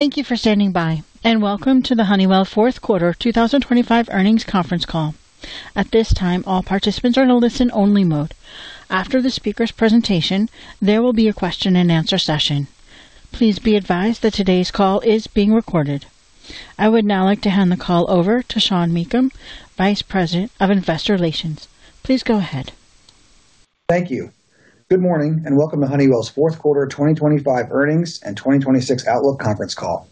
Thank you for standing by, and welcome to the Honeywell Fourth Quarter 2025 Earnings Conference Call. At this time, all participants are in a listen-only mode. After the speaker's presentation, there will be a question-and-answer session. Please be advised that today's call is being recorded. I would now like to hand the call over to Sean Meakim, Vice President of Investor Relations. Please go ahead. Thank you. Good morning, and welcome to Honeywell's fourth quarter 2025 earnings and 2026 outlook conference call.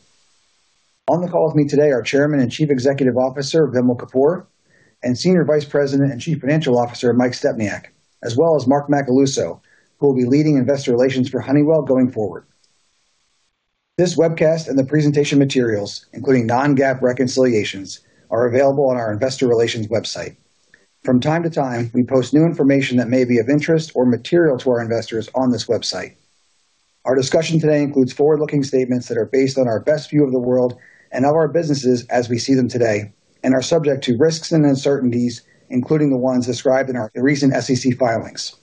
On the call with me today are Chairman and Chief Executive Officer, Vimal Kapur, and Senior Vice President and Chief Financial Officer, Mike Stepniak, as well as Mark Macaluso, who will be leading Investor Relations for Honeywell going forward. This webcast and the presentation materials, including non-GAAP reconciliations, are available on our Investor Relations website. From time to time, we post new information that may be of interest or material to our investors on this website. Our discussion today includes forward-looking statements that are based on our best view of the world and of our businesses as we see them today and are subject to risks and uncertainties, including the ones described in our recent SEC filings.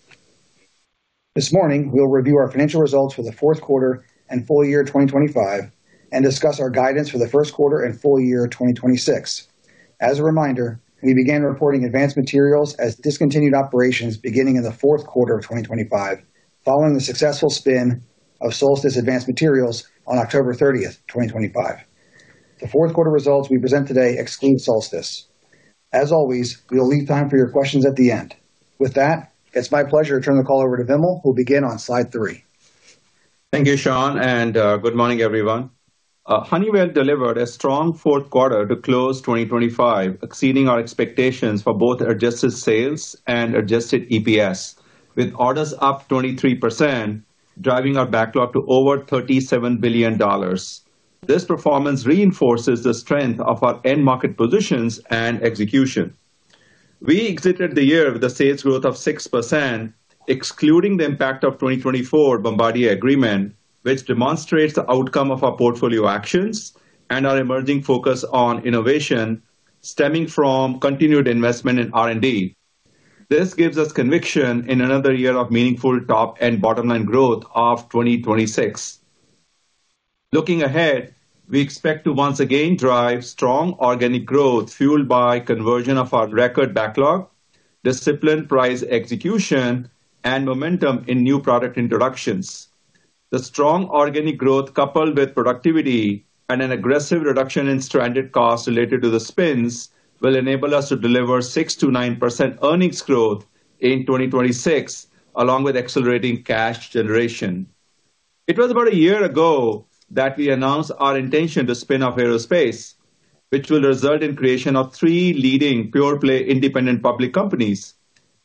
This morning, we'll review our financial results for the fourth quarter and full year 2025 and discuss our guidance for the first quarter and full year 2026. As a reminder, we began reporting Advanced Materials as discontinued operations beginning in the fourth quarter of 2025, following the successful spin of Solstice Advanced Materials on October 30, 2025. The fourth quarter results we present today exclude Solstice. As always, we'll leave time for your questions at the end. With that, it's my pleasure to turn the call over to Vimal, who'll begin on slide three. Thank you, Sean, and good morning, everyone. Honeywell delivered a strong fourth quarter to close 2025, exceeding our expectations for both adjusted sales and adjusted EPS, with orders up 23%, driving our backlog to over $37 billion. This performance reinforces the strength of our end market positions and execution. We exited the year with a sales growth of 6%, excluding the impact of 2024 Bombardier agreement, which demonstrates the outcome of our portfolio actions and our emerging focus on innovation stemming from continued investment in R&D. This gives us conviction in another year of meaningful top and bottom-line growth of 2026. Looking ahead, we expect to once again drive strong organic growth, fueled by conversion of our record backlog, disciplined price execution, and momentum in new product introductions. The strong organic growth, coupled with productivity and an aggressive reduction in stranded costs related to the spins, will enable us to deliver 6%-9% earnings growth in 2026, along with accelerating cash generation. It was about a year ago that we announced our intention to spin off aerospace, which will result in creation of three leading pure-play independent public companies.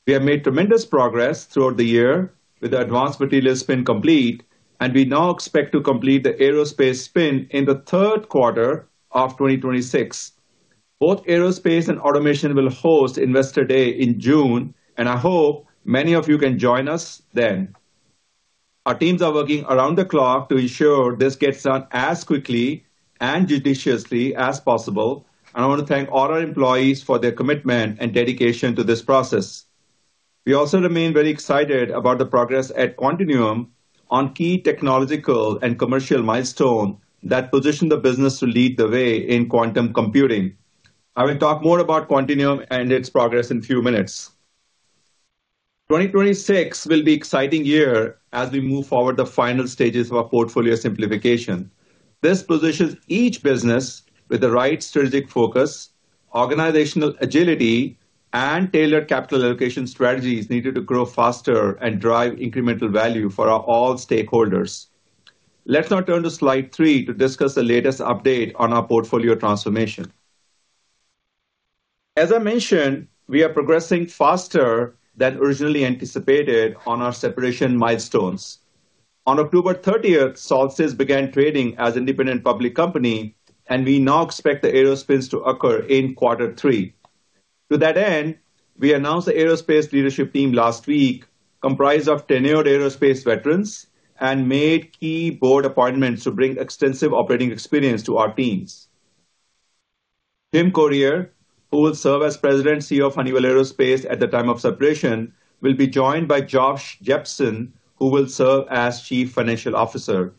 We have made tremendous progress throughout the year with the advanced materials spin complete, and we now expect to complete the aerospace spin in the third quarter of 2026. Both aerospace and automation will host Investor Day in June, and I hope many of you can join us then. Our teams are working around the clock to ensure this gets done as quickly and judiciously as possible, and I want to thank all our employees for their commitment and dedication to this process. We also remain very excited about the progress at Quantinuum on key technological and commercial milestones that position the business to lead the way in quantum computing. I will talk more about Quantinuum and its progress in a few minutes. 2026 will be exciting year as we move forward the final stages of our portfolio simplification. This positions each business with the right strategic focus, organizational agility, and tailored capital allocation strategies needed to grow faster and drive incremental value for our all stakeholders. Let's now turn to slide 3 to discuss the latest update on our portfolio transformation. As I mentioned, we are progressing faster than originally anticipated on our separation milestones. On October 30, Solstice began trading as independent public company, and we now expect the aero spins to occur in quarter three. To that end, we announced the aerospace leadership team last week, comprised of tenured aerospace veterans, and made key board appointments to bring extensive operating experience to our teams. Jim Currier, who will serve as President and CEO of Honeywell Aerospace at the time of separation, will be joined by Josh Jepsen, who will serve as Chief Financial Officer.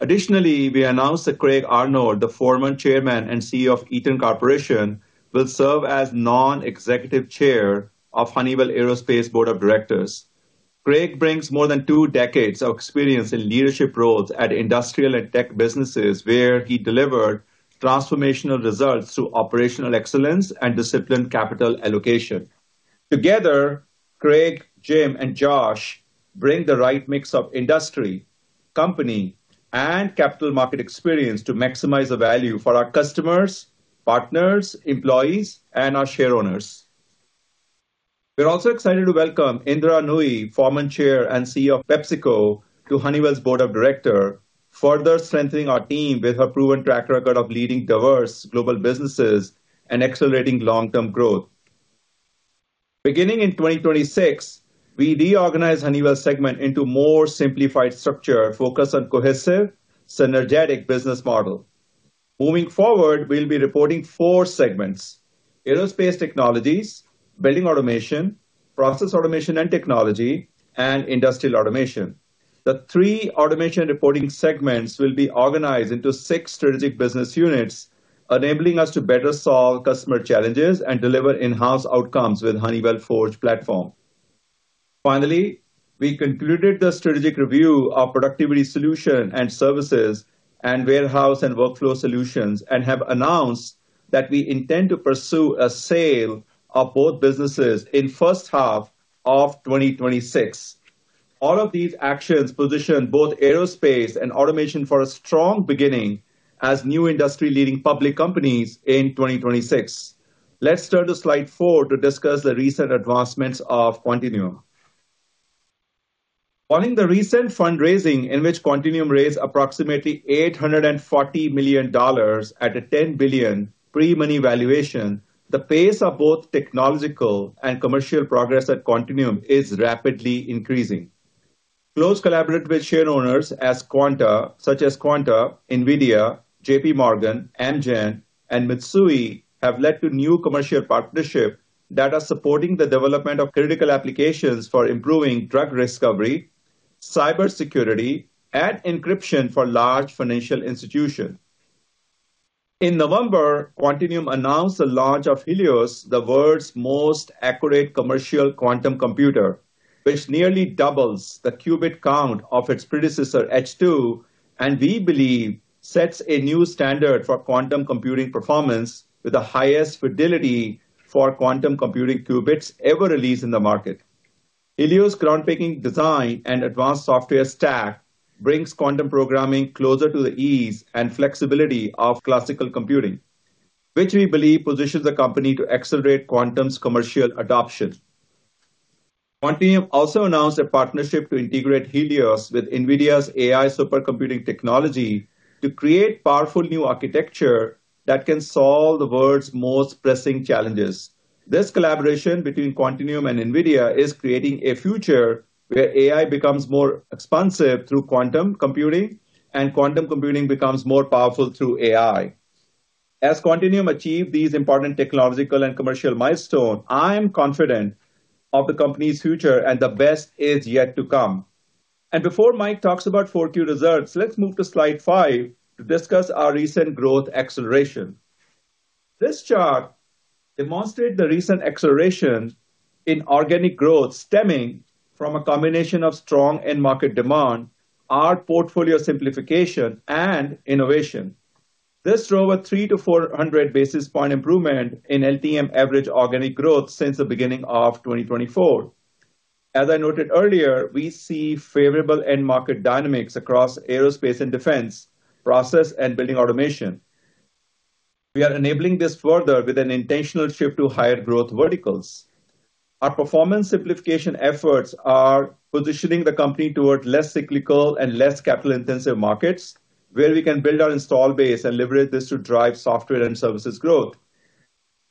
Additionally, we announced that Craig Arnold, the former Chairman and CEO of Eaton Corporation, will serve as Non-Executive Chair of Honeywell Aerospace Board of Directors. Craig brings more than two decades of experience in leadership roles at industrial and tech businesses, where he delivered transformational results through operational excellence and disciplined capital allocation. Together, Craig, Jim, and Josh bring the right mix of industry, company, and capital market experience to maximize the value for our customers, partners, employees, and our shareowners. We're also excited to welcome Indra Nooyi, former Chair and CEO of PepsiCo, to Honeywell's Board of Directors, further strengthening our team with her proven track record of leading diverse global businesses and accelerating long-term growth. Beginning in 2026, we reorganized Honeywell segment into more simplified structure, focused on cohesive, synergetic business model.... Moving forward, we'll be reporting four segments: Aerospace Technologies, Building Automation, Process Automation and Technology, and Industrial Automation. The three automation reporting segments will be organized into six strategic business units, enabling us to better solve customer challenges and deliver in-house outcomes with Honeywell Forge platform. Finally, we concluded the strategic review of Productivity Solution and Services and Warehouse and Workflow Solutions, and have announced that we intend to pursue a sale of both businesses in first half of 2026. All of these actions position both aerospace and automation for a strong beginning as new industry-leading public companies in 2026. Let's turn to slide four to discuss the recent advancements of Quantinuum. Following the recent fundraising, in which Quantinuum raised approximately $840 million at a $10 billion pre-money valuation, the pace of both technological and commercial progress at Quantinuum is rapidly increasing. Close collaboration with shareholders such as Quantinuum, NVIDIA, J.P. Morgan, Amgen, and Mitsui have led to new commercial partnerships that are supporting the development of critical applications for improving drug discovery, cybersecurity, and encryption for large financial institutions. In November, Quantinuum announced the launch of Helios, the world's most accurate commercial quantum computer, which nearly doubles the qubit count of its predecessor, H2, and we believe sets a new standard for quantum computing performance with the highest fidelity for quantum computing qubits ever released in the market. Helios' groundbreaking design and advanced software stack brings quantum programming closer to the ease and flexibility of classical computing, which we believe positions the company to accelerate quantum's commercial adoption. Quantinuum also announced a partnership to integrate Helios with NVIDIA's AI supercomputing technology to create powerful new architecture that can solve the world's most pressing challenges. This collaboration between Quantinuum and NVIDIA is creating a future where AI becomes more expansive through quantum computing, and quantum computing becomes more powerful through AI. As Quantinuum achieves these important technological and commercial milestones, I am confident of the company's future, and the best is yet to come. Before Mike talks about 4Q results, let's move to slide five to discuss our recent growth acceleration. This chart demonstrates the recent acceleration in organic growth, stemming from a combination of strong end market demand, our portfolio simplification, and innovation. This drove a 300-400 basis point improvement in LTM average organic growth since the beginning of 2024. As I noted earlier, we see favorable end market dynamics across aerospace and defense, process and building automation. We are enabling this further with an intentional shift to higher growth verticals. Our performance simplification efforts are positioning the company toward less cyclical and less capital-intensive markets, where we can build our install base and leverage this to driv e software and services growth.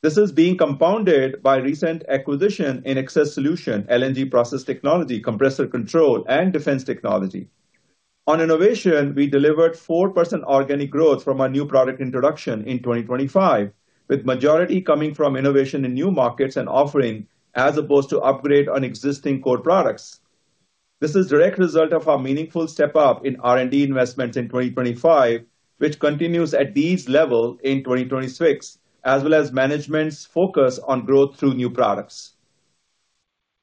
This is being compounded by recent acquisition in Access Solutions, LNG process technology, Compressor Controls, and defense technology. On innovation, we delivered 4% organic growth from our new product introduction in 2025, with majority coming from innovation in new markets and offering, as opposed to upgrade on existing core products. This is direct result of our meaningful step up in R&D investments in 2025, which continues at these level in 2026, as well as management's focus on growth through new products.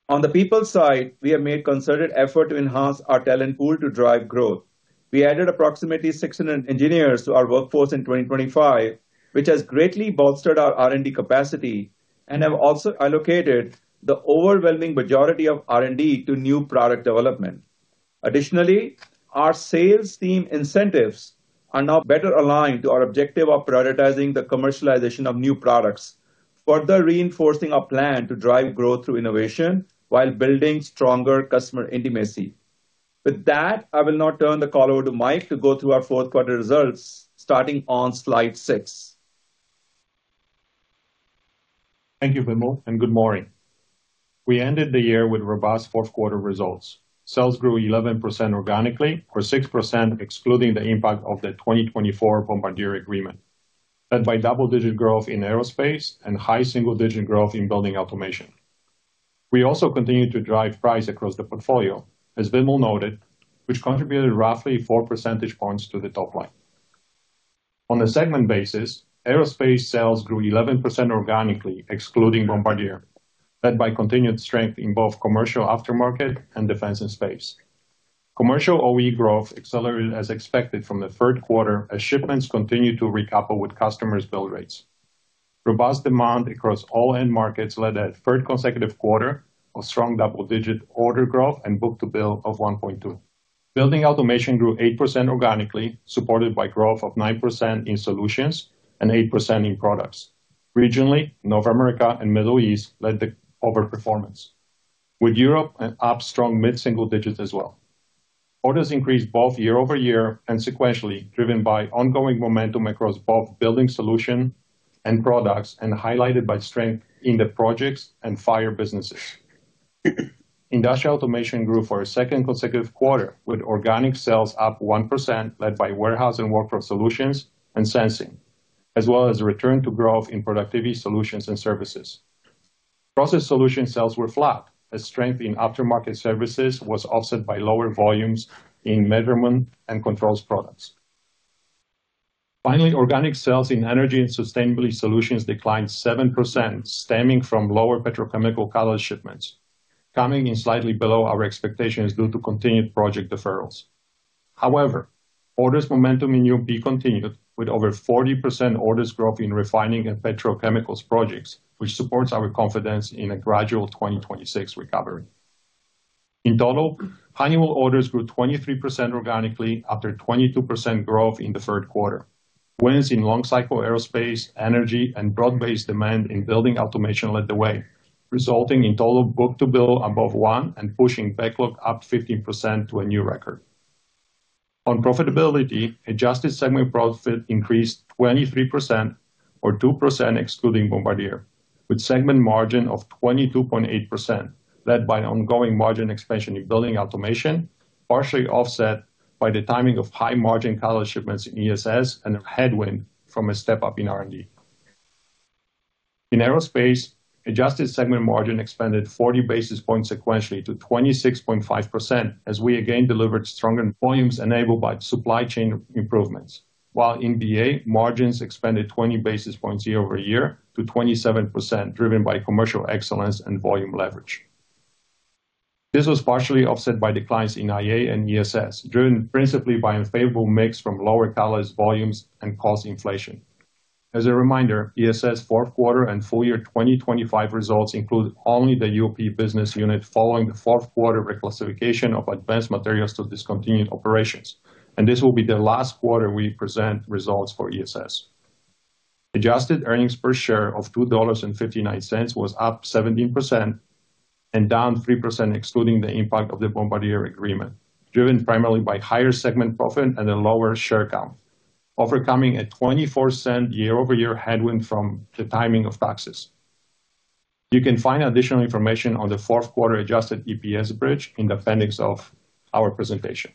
On the people side, we have made concerted effort to enhance our talent pool to drive growth. We added approximately 600 engineers to our workforce in 2025, which has greatly bolstered our R&D capacity and have also allocated the overwhelming majority of R&D to new product development. Additionally, our sales team incentives are now better aligned to our objective of prioritizing the commercialization of new products, further reinforcing our plan to drive growth through innovation while building stronger customer intimacy. With that, I will now turn the call over to Mike to go through our fourth quarter results, starting on slide six. Thank you, Vimal, and good morning. We ended the year with robust fourth quarter results. Sales grew 11% organically, or 6%, excluding the impact of the 2024 Bombardier agreement, led by double-digit growth in aerospace and high single-digit growth in building automation. We also continued to drive price across the portfolio, as Vimal noted, which contributed roughly 4 percentage points to the top line. On a segment basis, aerospace sales grew 11% organically, excluding Bombardier, led by continued strength in both commercial aftermarket and defense and space. Commercial OE growth accelerated as expected from the third quarter, as shipments continued to recouple with customers' bill rates. Robust demand across all end markets led a third consecutive quarter of strong double-digit order growth and book-to-bill of 1.2. Building automation grew 8% organically, supported by growth of 9% in solutions and 8% in products. Regionally, North America and Middle East led the overperformance, with Europe and up strong mid-single digits as well. Orders increased both year-over-year and sequentially, driven by ongoing momentum across both Building Solutions and products, and highlighted by strength in the projects and fire businesses. Industrial automation grew for a second consecutive quarter, with organic sales up 1%, led by Warehouse and Workforce Solutions and sensing, as well as a return to growth in Productivity Solutions and Services. Process solution sales were flat, as strength in aftermarket services was offset by lower volumes in measurement and controls products. Finally, organic sales in energy and sustainability solutions declined 7%, stemming from lower petrochemical catalyst shipments, coming in slightly below our expectations due to continued project deferrals. However, orders momentum in UOP continued, with over 40% orders growth in refining and petrochemicals projects, which supports our confidence in a gradual 2026 recovery. In total, Honeywell orders grew 23% organically after 22% growth in the third quarter. Wins in long cycle aerospace, energy, and broad-based demand in building automation led the way, resulting in total book-to-bill above one and pushing backlog up 15% to a new record. On profitability, adjusted segment profit increased 23% or 2%, excluding Bombardier, with segment margin of 22.8%, led by ongoing margin expansion in building automation, partially offset by the timing of high-margin catalyst shipments in ESS and a headwind from a step-up in R&D. In aerospace, adjusted segment margin expanded 40 basis points sequentially to 26.5%, as we again delivered stronger volumes enabled by supply chain improvements, while in BA, margins expanded 20 basis points year over year to 27%, driven by commercial excellence and volume leverage. This was partially offset by declines in IA and ESS, driven principally by unfavorable mix from lower catalyst volumes and cost inflation. As a reminder, ESS fourth quarter and full year 2025 results include only the UOP business unit following the fourth quarter reclassification of advanced materials to discontinued operations, and this will be the last quarter we present results for ESS. Adjusted earnings per share of $2.59 was up 17% and down 3%, excluding the impact of the Bombardier agreement, driven primarily by higher segment profit and a lower share count, overcoming a 24-cent year-over-year headwind from the timing of taxes. You can find additional information on the fourth quarter adjusted EPS bridge in the appendix of our presentation.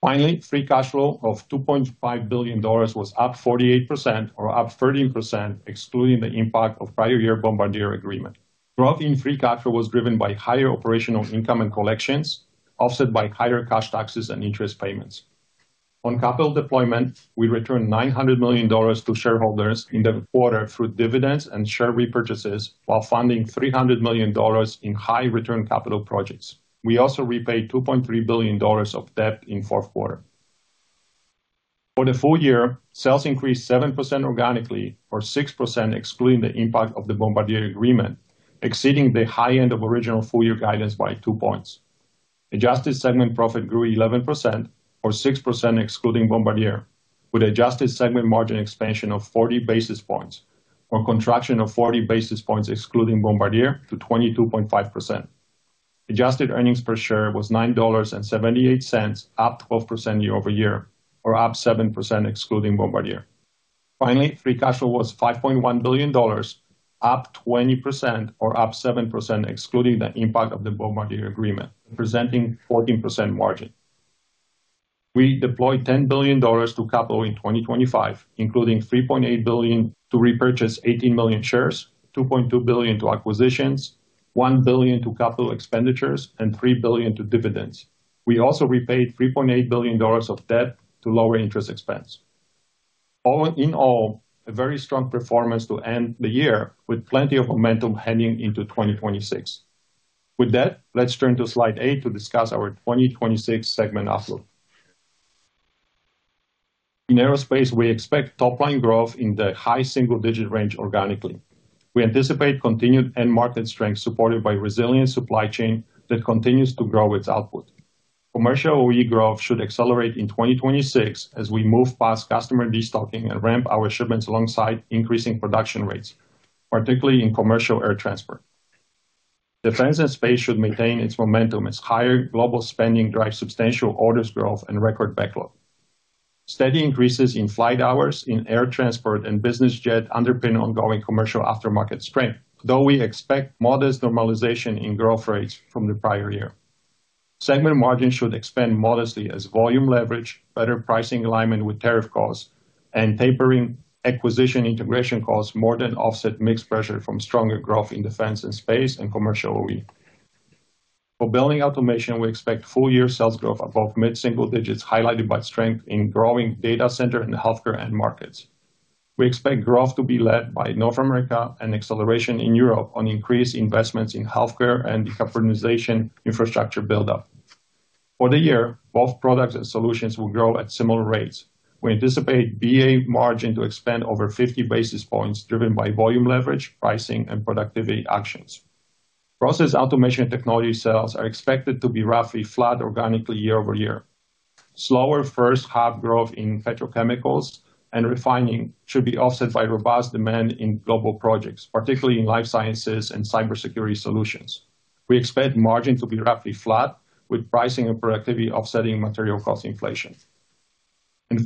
Finally, free cash flow of $2.5 billion was up 48% or up 13%, excluding the impact of prior year Bombardier agreement. Growth in free cash flow was driven by higher operational income and collections, offset by higher cash taxes and interest payments. On capital deployment, we returned $900 million to shareholders in the quarter through dividends and share repurchases while funding $300 million in high return capital projects. We also repaid $2.3 billion of debt in fourth quarter. For the full year, sales increased 7% organically, or 6%, excluding the impact of the Bombardier agreement, exceeding the high end of original full-year guidance by 2 points. Adjusted segment profit grew 11% or 6%, excluding Bombardier, with adjusted segment margin expansion of 40 basis points, or contraction of 40 basis points, excluding Bombardier, to 22.5%. Adjusted earnings per share was $9.78, up 12% year-over-year, or up 7% excluding Bombardier. Finally, free cash flow was $5.1 billion, up 20% or up 7%, excluding the impact of the Bombardier agreement, presenting 14% margin. We deployed $10 billion to capital in 2025, including $3.8 billion to repurchase 18 million shares, $2.2 billion to acquisitions, $1 billion to capital expenditures, and $3 billion to dividends. We also repaid $3.8 billion of debt to lower interest expense. All in all, a very strong performance to end the year, with plenty of momentum heading into 2026. With that, let's turn to slide 8 to discuss our 2026 segment outlook. In aerospace, we expect top-line growth in the high single-digit range organically. We anticipate continued end market strength, supported by resilient supply chain that continues to grow its output. Commercial OE growth should accelerate in 2026 as we move past customer destocking and ramp our shipments alongside increasing production rates, particularly in commercial air transport. Defense and space should maintain its momentum as higher global spending drives substantial orders growth and record backlog. Steady increases in flight hours in air transport and business jet underpin ongoing commercial aftermarket strength, though we expect modest normalization in growth rates from the prior year. Segment margin should expand modestly as volume leverage, better pricing alignment with tariff costs, and tapering acquisition integration costs more than offset mixed pressure from stronger growth in defense and space and commercial OE. For building automation, we expect full-year sales growth above mid-single digits, highlighted by strength in growing data center and healthcare end markets. We expect growth to be led by North America and acceleration in Europe on increased investments in healthcare and decarbonization infrastructure buildup. For the year, both products and solutions will grow at similar rates. We anticipate BA margin to expand over 50 basis points, driven by volume leverage, pricing, and productivity actions. Process automation technology sales are expected to be roughly flat organically year-over-year. Slower first-half growth in petrochemicals and refining should be offset by robust demand in global projects, particularly in life sciences and cybersecurity solutions. We expect margin to be roughly flat, with pricing and productivity offsetting material cost inflation.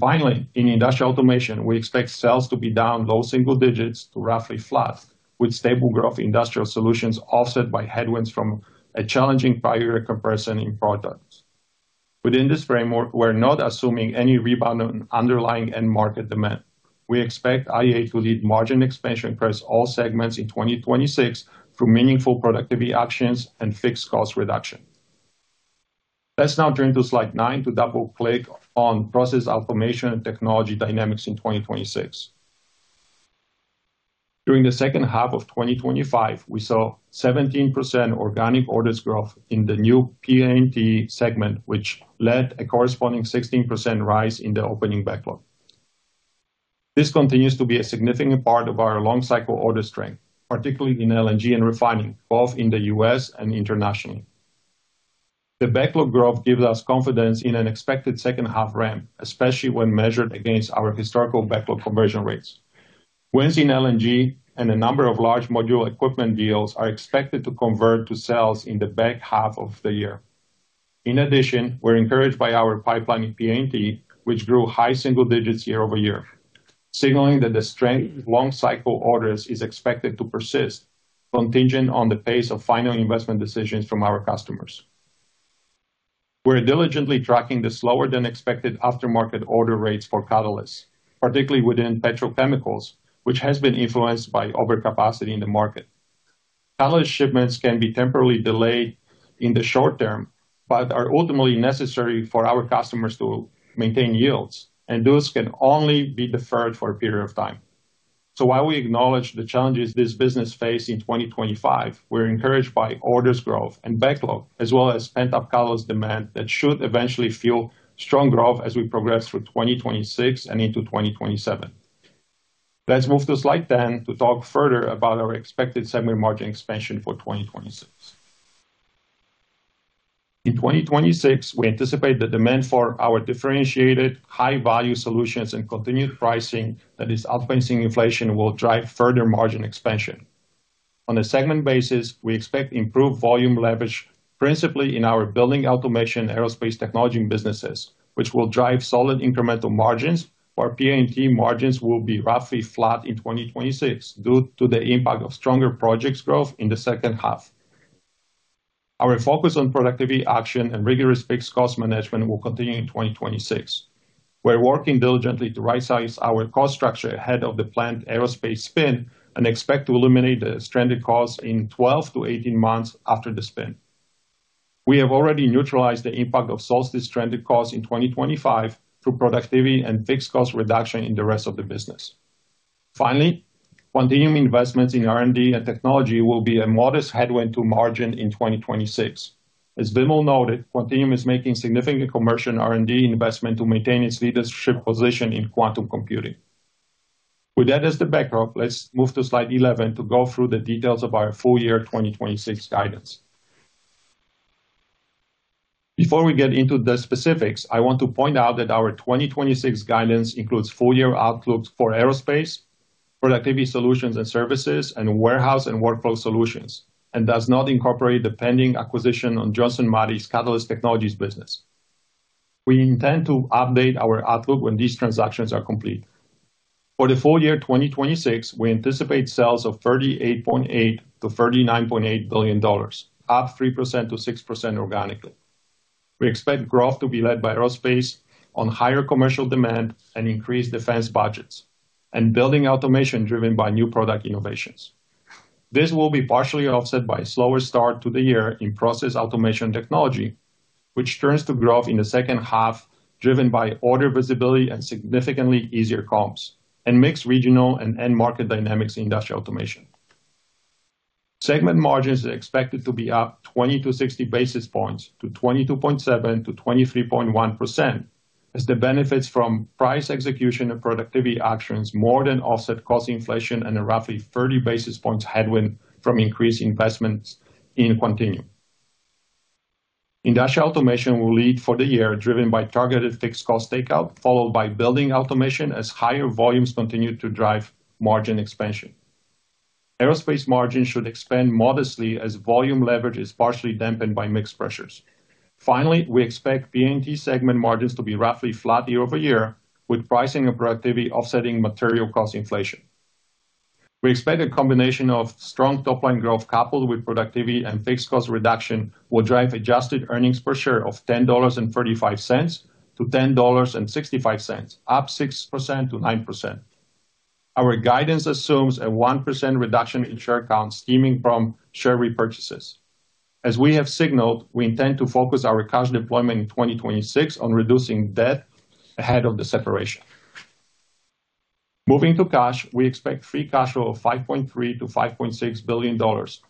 Finally, in industrial automation, we expect sales to be down low single digits to roughly flat, with stable growth industrial solutions offset by headwinds from a challenging prior year compression in products. Within this framework, we're not assuming any rebound on underlying end market demand. We expect IA to lead margin expansion across all segments in 2026 through meaningful productivity actions and fixed cost reduction. Let's now turn to slide 9 to double-click on process automation and technology dynamics in 2026. During the second half of 2025, we saw 17% organic orders growth in the new P&T segment, which led a corresponding 16% rise in the opening backlog. This continues to be a significant part of our long cycle order strength, particularly in LNG and refining, both in the U.S. and internationally. The backlog growth gives us confidence in an expected second half ramp, especially when measured against our historical backlog conversion rates. Winds in LNG and a num ber of large module equipment deals are expected to convert to sales in the back half of the year. In addition, we're encouraged by our pipeline in P&T, which grew high single digits year over year, signaling that the strength of long cycle orders is expected to persist, contingent on the pace of final investment decisions from our customers. We're diligently tracking the slower-than-expected aftermarket order rates for catalysts, particularly within petrochemicals, which has been influenced by overcapacity in the market. Catalyst shipments can be temporarily delayed in the short term, but are ultimately necessary for our customers to maintain yields, and those can only be deferred for a period of time. So while we acknowledge the challenges this business face in 2025, we're encouraged by orders growth and backlog, as well as pent-up catalyst demand that should eventually fuel strong growth as we progress through 2026 and into 2027. Let's move to slide 10 to talk further about our expected segment margin expansion for 2026. In 2026, we anticipate the demand for our differentiated high-value solutions and continued pricing that is outpacing inflation will drive further margin expansion. On a segment basis, we expect improved volume leverage, principally in our Building Automation, Aerospace Technologies businesses, which will drive solid incremental margins, while P&T margins will be roughly flat in 2026 due to the impact of stronger projects growth in the second half. Our focus on productivity action and rigorous fixed cost management will continue in 2026. We're working diligently to rightsize our cost structure ahead of the planned aerospace spin and expect to eliminate the stranded costs in 12 to 18 months after the spin. We have already neutralized the impact of Solstice stranded costs in 2025 through productivity and fixed cost reduction in the rest of the business. Finally, Quantinuum investments in R&D and technology will be a modest headwind to margin in 2026. As Vimal noted, Quantinuum is making significant commercial R&D investment to maintain its leadership position in quantum computing. With that as the backdrop, let's move to slide 11 to go through the details of our full year 2026 guidance. Before we get into the specifics, I want to point out that our 2026 guidance includes full year outlooks for aerospace, Productivity Solutions and Services, and warehouse and workflow solutions, and does not incorporate the pending acquisition of Johnson Matthey's Catalyst Technologies business. We intend to update our outlook when these transactions are complete. For the full year 2026, we anticipate sales of $38.8 billion-$39.8 billion, up 3%-6% organically. We expect growth to be led by Aerospace on higher commercial demand and increased defense budgets, and Building Automation driven by new product innovations. This will be partially offset by a slower start to the year in process automation technology, which turns to growth in the second half, driven by order visibility and significantly easier comps and mixed regional and end market dynamics in industrial automation. Segment margins are expected to be up 20 to 60 basis points to 22.7%-23.1%, as the benefits from price execution and productivity actions more than offset cost inflation and a roughly 30 basis points headwind from increased investments in Quantinuum. Industrial automation will lead for the year, driven by targeted fixed cost takeout, followed by building automation as higher volumes continue to drive margin expansion. Aerospace margins should expand modestly as volume leverage is partially dampened by mixed pressures. Finally, we expect P&T segment margins to be roughly flat year-over-year, with pricing and productivity offsetting material cost inflation. We expect a combination of strong top-line growth, coupled with productivity and fixed cost reduction, will drive adjusted earnings per share of $10.35-$10.65, up 6%-9%. Our guidance assumes a 1% reduction in share count stemming from share repurchases. As we have signaled, we intend to focus our cash deployment in 2026 on reducing debt ahead of the separation. Moving to cash, we expect free cash flow of $5.3 billion-$5.6 billion,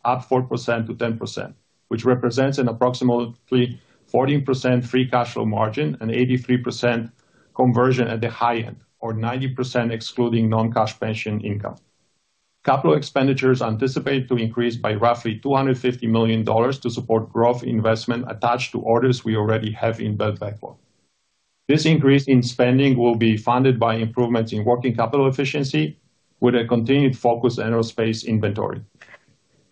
up 4%-10%, which represents an approximately 14% free cash flow margin and 83% conversion at the high end, or 90% excluding non-cash pension income. Capital expenditures are anticipated to increase by roughly $250 million to support growth investment attached to orders we already have in built backlog. This increase in spending will be funded by improvements in working capital efficiency with a continued focus on aerospace inventory....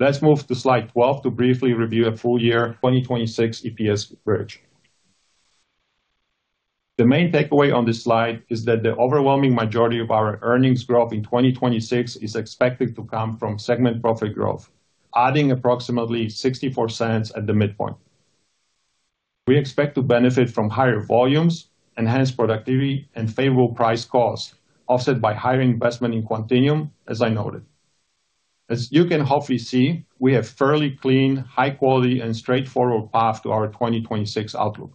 Let's move to slide 12 to briefly review a full year, 2026 EPS bridge. The main takeaway on this slide is that the overwhelming majority of our earnings growth in 2026 is expected to come from segment profit growth, adding approximately $0.64 at the midpoint. We expect to benefit from higher volumes, enhanced productivity, and favorable price costs, offset by higher investment in Quantinuum, as I noted. As you can hopefully see, we have fairly clean, high-quality, and straightforward path to our 2026 outlook.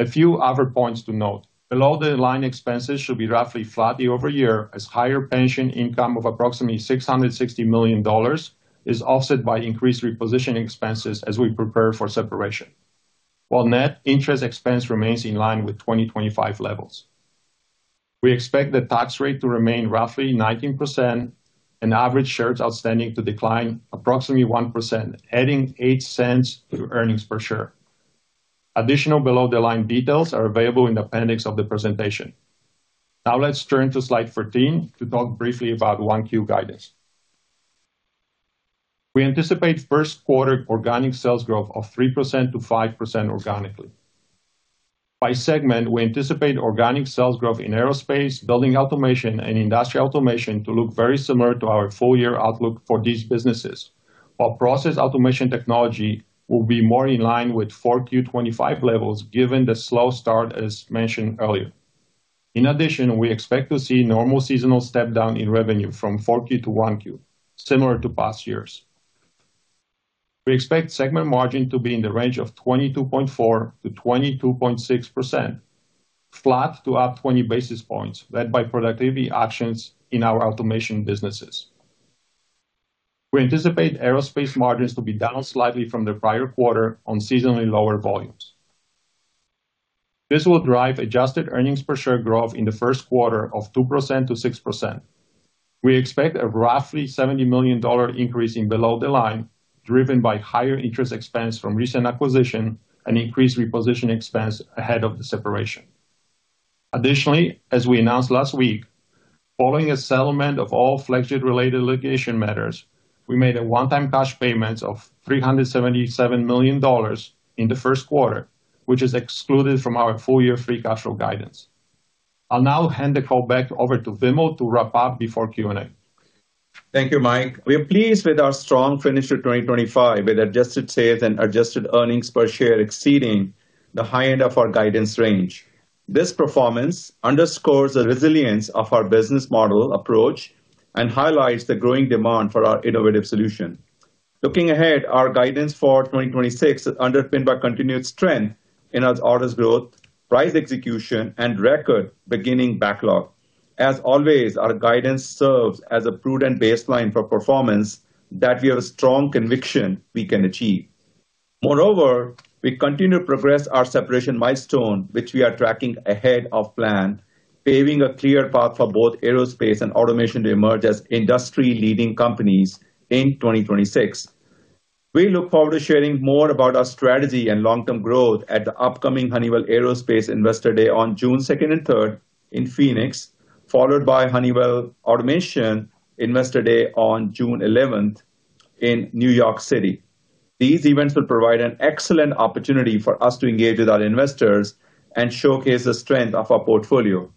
A few other points to note. Below-the-line expenses should be roughly flat year-over-year, as higher pension income of approximately $660 million is offset by increased repositioning expenses as we prepare for separation, while net interest expense remains in line with 2025 levels. We expect the tax rate to remain roughly 19% and average shares outstanding to decline approximately 1%, adding $0.08 to earnings per share. Additional below-the-line details are available in the appendix of the presentation. Now let's turn to slide 13 to talk briefly about 1Q guidance. We anticipate first quarter organic sales growth of 3%-5% organically. By segment, we anticipate organic sales growth in aerospace, building automation, and industrial automation to look very similar to our full-year outlook for these businesses. While process automation technology will be more in line with 4Q25 levels, given the slow start, as mentioned earlier. In addition, we expect to see normal seasonal step down in revenue from 4Q to 1Q, similar to past years. We expect segment margin to be in the range of 22.4%-22.6%, flat to up 20 basis points, led by productivity actions in our automation businesses. We anticipate aerospace margins to be down slightly from the prior quarter on seasonally lower volumes. This will drive adjusted earnings per share growth in the first quarter of 2%-6%. We expect a roughly $70 million increase in below the line, driven by higher interest expense from recent acquisition and increased repositioning expense ahead of the separation. Additionally, as we announced last week, following a settlement of all Flexjet-related litigation matters, we made a one-time cash payment of $377 million in the first quarter, which is excluded from our full-year free cash flow guidance. I'll now hand the call back over to Vimal to wrap up before Q&A. Thank you, Mike. We are pleased with our strong finish to 2025, with adjusted sales and adjusted earnings per share exceeding the high end of our guidance range. This performance underscores the resilience of our business model approach and highlights the growing demand for our innovative solution. Looking ahead, our guidance for 2026 is underpinned by continued strength in our orders growth, price execution, and record beginning backlog. As always, our guidance serves as a prudent baseline for performance that we have a strong conviction we can achieve. Moreover, we continue to progress our separation milestone, which we are tracking ahead of plan, paving a clear path for both aerospace and automation to emerge as industry-leading companies in 2026. We look forward to sharing more about our strategy and long-term growth at the upcoming Honeywell Aerospace Investor Day on June second and third in Phoenix, followed by Honeywell Automation Investor Day on June eleventh in New York City. These events will provide an excellent opportunity for us to engage with our investors and showcase the strength of our portfolio.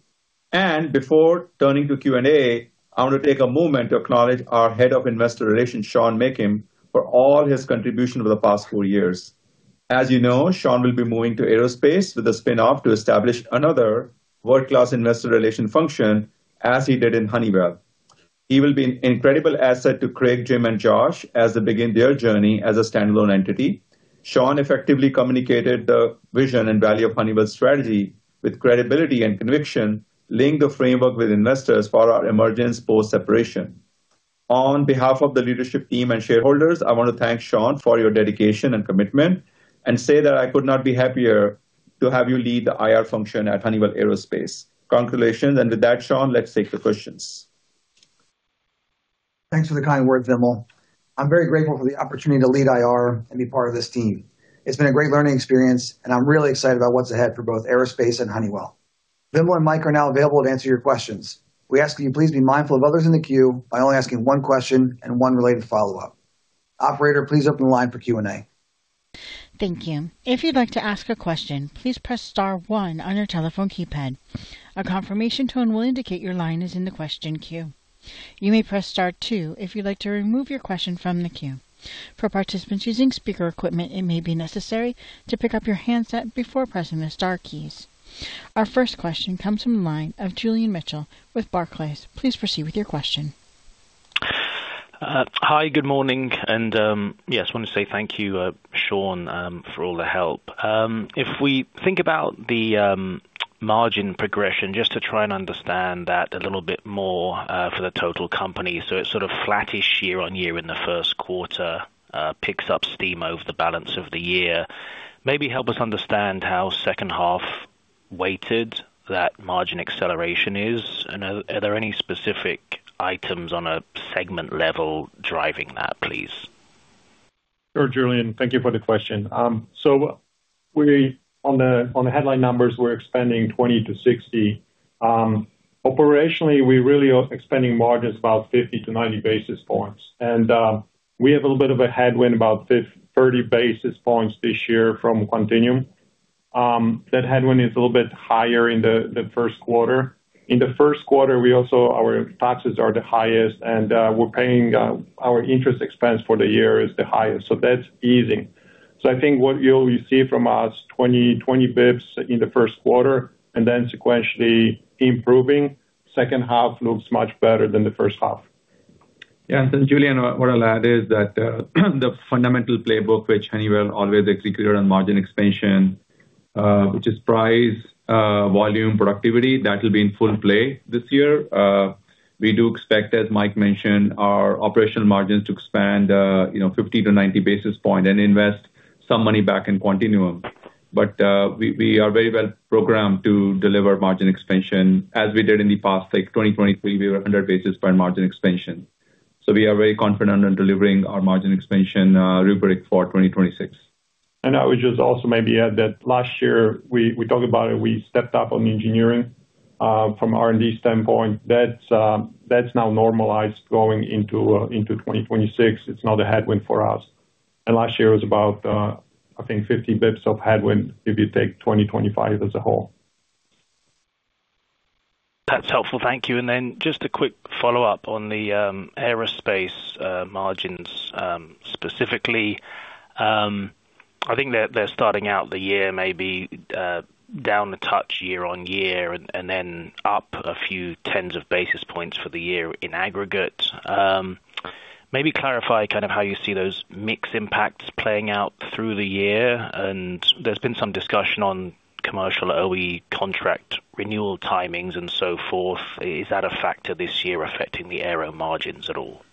Before turning to Q&A, I want to take a moment to acknowledge our Head of Investor Relations, Sean Meakim, for all his contribution over the past four years. As you know, Sean will be moving to Aerospace with a spin-off to establish another world-class investor relations function, as he did in Honeywell. He will be an incredible asset to Craig, Jim, and Josh as they begin their journey as a standalone entity. Sean effectively communicated the vision and value of Honeywell's strategy with credibility and conviction, laying the framework with investors for our emergence post-separation. On behalf of the leadership team and shareholders, I want to thank Sean for your dedication and commitment, and say that I could not be happier to have you lead the IR function at Honeywell Aerospace. Congratulations, and with that, Sean, let's take the questions. Thanks for the kind words, Vimal. I'm very grateful for the opportunity to lead IR and be part of this team. It's been a great learning experience, and I'm really excited about what's ahead for both Aerospace and Honeywell. Vimal and Mike are now available to answer your questions. We ask that you please be mindful of others in the queue by only asking one question and one related follow-up. Operator, please open the line for Q&A. Thank you. If you'd like to ask a question, please press star one on your telephone keypad. A confirmation tone will indicate your line is in the question queue. You may press Star two if you'd like to remove your question from the queue. For participants using speaker equipment, it may be necessary to pick up your handset before pressing the star keys. Our first question comes from the line of Julian Mitchell with Barclays. Please proceed with your question. Hi, good morning, and yes, I want to say thank you, Sean, for all the help. If we think about the margin progression, just to try and understand that a little bit more, for the total company. So it's sort of flattish year-on-year in the first quarter, picks up steam over the balance of the year. Maybe help us understand how second half-weighted that margin acceleration is, and are there any specific items on a segment level driving that, please? Sure, Julian, thank you for the question. So we on the, on the headline numbers, we're expanding 20-60. Operationally, we really are expanding margins about 50-90 basis points. And, we have a little bit of a headwind, about 30 basis points this year from Quantinuum. That headwind is a little bit higher in the, the first quarter. In the first quarter, we also, our taxes are the highest, and, we're paying our interest expense for the year is the highest, so that's easing. So I think what you'll receive from us, 20-20 basis points in the first quarter and then sequentially improving. Second half looks much better than the first half. Yeah, and then Julian, what I'll add is that, the fundamental playbook, which Honeywell always executed on margin expansion, which is price, volume, productivity, that will be in full play this year. We do expect, as Mike mentioned, our operational margins to expand, you know, 50-90 basis points and invest some money back in Quantinuum. But, we are very well programmed to deliver margin expansion, as we did in the past, like, 2023, we were 100 basis points margin expansion. So we are very confident on delivering our margin expansion, rubric for 2026. I would just also maybe add that last year we talked about it. We stepped up on engineering from R&D standpoint. That's now normalized going into 2026. It's not a headwind for us. And last year was about, I think, 50 basis points of headwind, if you take 2025 as a whole. That's helpful. Thank you. Then just a quick follow-up on the aerospace margins specifically. I think they're starting out the year, maybe down a touch year-over-year, and then up a few tens of basis points for the year in aggregate. Maybe clarify kind of how you see those mix impacts playing out through the year. And there's been some discussion on commercial OE contract renewal timings and so forth. Is that a factor this year affecting the aero margins at all?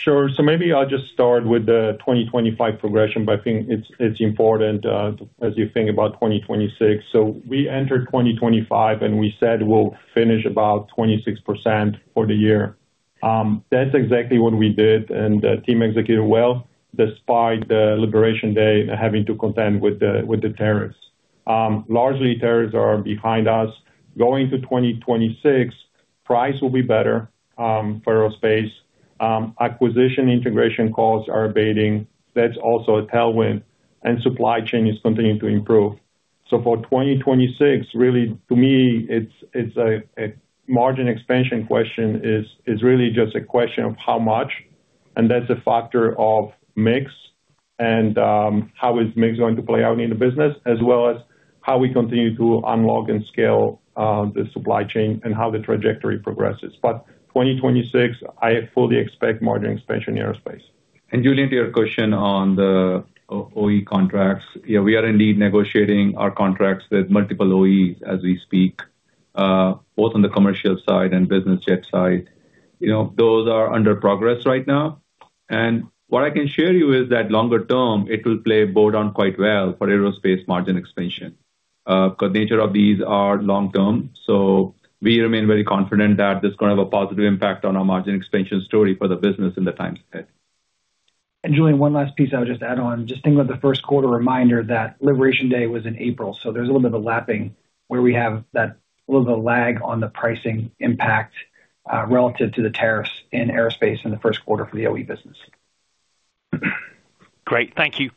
Sure. So maybe I'll just start with the 2025 progression, but I think it's important, as you think about 2026. So we entered 2025, and we said we'll finish about 26% for the year. That's exactly what we did, and the team executed well, despite the Expiration Day, having to contend with the tariffs. Largely, tariffs are behind us. Going to 2026, price will be better, for aerospace. Acquisition integration costs are abating. That's also a tailwind, and supply chain is continuing to improve. So for 2026, really, to me, it's a margin expansion question is really just a question of how much, and that's a factor of mix and how is mix going to play out in the business, as well as how we continue to unlock and scale the supply chain and how the trajectory progresses. But 2026, I fully expect margin expansion in aerospace. Julian, to your question on the OE contracts, yeah, we are indeed negotiating our contracts with multiple OEs as we speak, both on the commercial side and business jet side. You know, those are under progress right now. And what I can share you is that longer term, it will play out quite well for aerospace margin expansion, because nature of these are long term, so we remain very confident that this is gonna have a positive impact on our margin expansion story for the business in the times ahead. Julian, one last piece I would just add on. Just think about the first quarter reminder that Expiration Day was in April, so there's a little bit of a lapping where we have that little bit of a lag on the pricing impact relative to the tariffs in Aerospace in the first quarter for the OE business. Great. Thank you.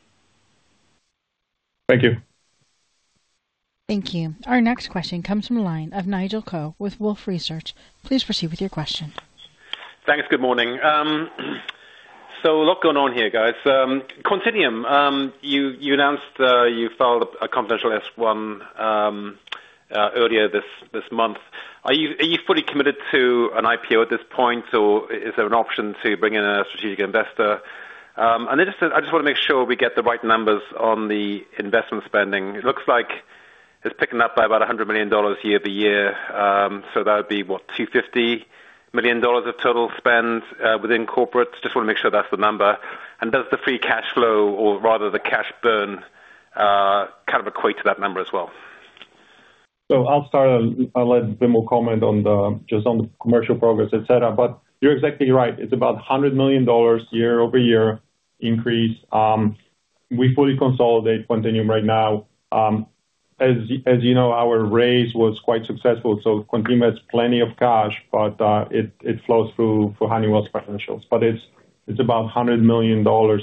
Thank you. Thank you. Our next question comes from the line of Nigel Coe with Wolfe Research. Please proceed with your question. Thanks. Good morning. So a lot going on here, guys. Quantinuum, you announced, you filed a confidential S-1, earlier this, this month. Are you, are you fully committed to an IPO at this point, or is there an option to bring in a strategic investor? And then just, I just want to make sure we get the right numbers on the investment spending. It looks like it's picking up by about $100 million year-over-year. So that would be, what? $250 million of total spend, within corporate. Just want to make sure that's the number. And does the free cash flow or rather the cash burn, kind of equate to that number as well? So I'll start, and I'll let Vimal comment on the, just on the commercial progress, et cetera. But you're exactly right. It's about $100 million year-over-year increase. We fully consolidate Quantinuum right now. As you know, our raise was quite successful, so Quantinuum has plenty of cash, but it, it flows through for Honeywell's financials. But it's about $100 million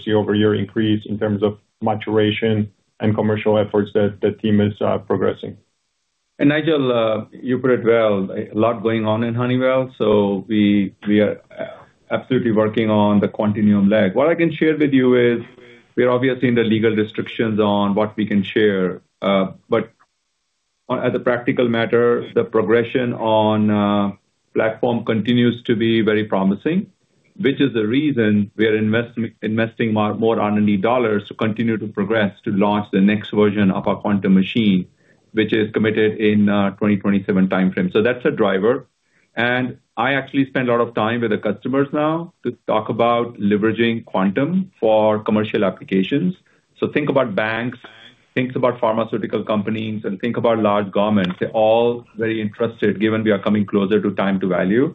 year-over-year increase in terms of maturation and commercial efforts that the team is progressing. Nigel, you put it well, a lot going on in Honeywell, so we are absolutely working on the Quantinuum leg. What I can share with you is we are obviously in the legal restrictions on what we can share, but as a practical matter, the progression on platform continues to be very promising, which is the reason we are investing more R&D dollars to continue to progress to launch the next version of our quantum machine, which is committed in 2027 timeframe. So that's a driver. And I actually spend a lot of time with the customers now to talk about leveraging quantum for commercial applications. So think about banks, think about pharmaceutical companies, and think about large governments. They're all very interested, given we are coming closer to time to value....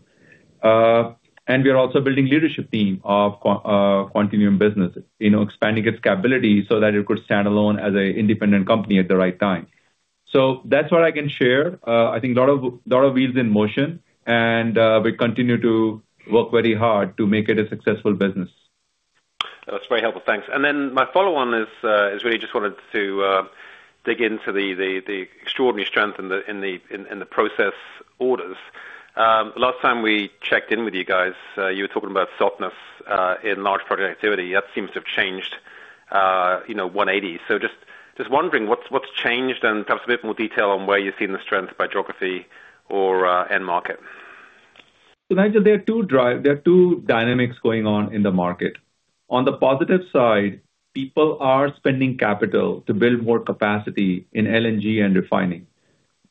And we are also building leadership team of Quantinuum business, you know, expanding its capability so that it could stand alone as a independent company at the right time. That's what I can share. I think a lot of, lot of wheels in motion, and we continue to work very hard to make it a successful business. That's very helpful. Thanks. And then my follow-on is really just wanted to dig into the extraordinary strength in the process orders. Last time we checked in with you guys, you were talking about softness in large project activity. That seems to have changed, you know, 180. So just wondering what's changed? And perhaps a bit more detail on where you're seeing the strength by geography or end market. So, Nigel, there are two dynamics going on in the market. On the positive side, people are spending capital to build more capacity in LNG and refining.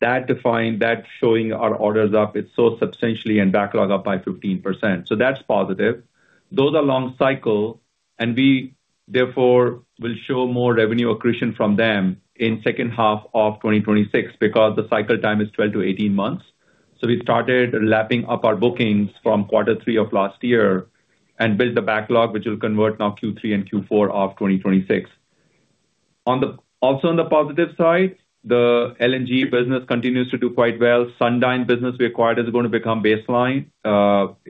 That defined, that's showing our orders up, it's so substantially and backlog up by 15%. So that's positive. Those are long cycle, and we, therefore, will show more revenue accretion from them in second half of 2026, because the cycle time is 12-18 months. So we started lapping up our bookings from quarter three of last year and build the backlog, which will convert now Q3 and Q4 of 2026. Also, on the positive side, the LNG business continues to do quite well. Sundyne business we acquired is going to become baseline,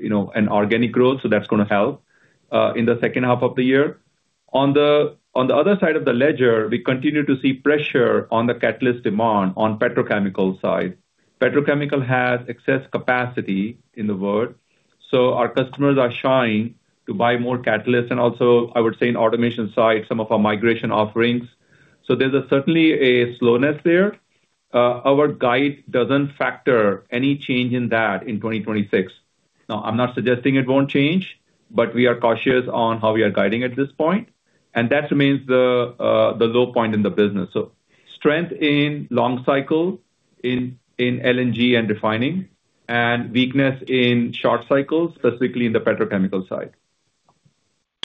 you know, and organic growth, so that's gonna help in the second half of the year. On the other side of the ledger, we continue to see pressure on the catalyst demand on petrochemical side. Petrochemical has excess capacity in the world, so our customers are shying to buy more catalysts, and also, I would say, in automation side, some of our migration offerings. So there's certainly a slowness there. Our guide doesn't factor any change in that in 2026. Now, I'm not suggesting it won't change, but we are cautious on how we are guiding at this point, and that remains the low point in the business. So strength in long cycle, in LNG and refining, and weakness in short cycles, specifically in the petrochemical side.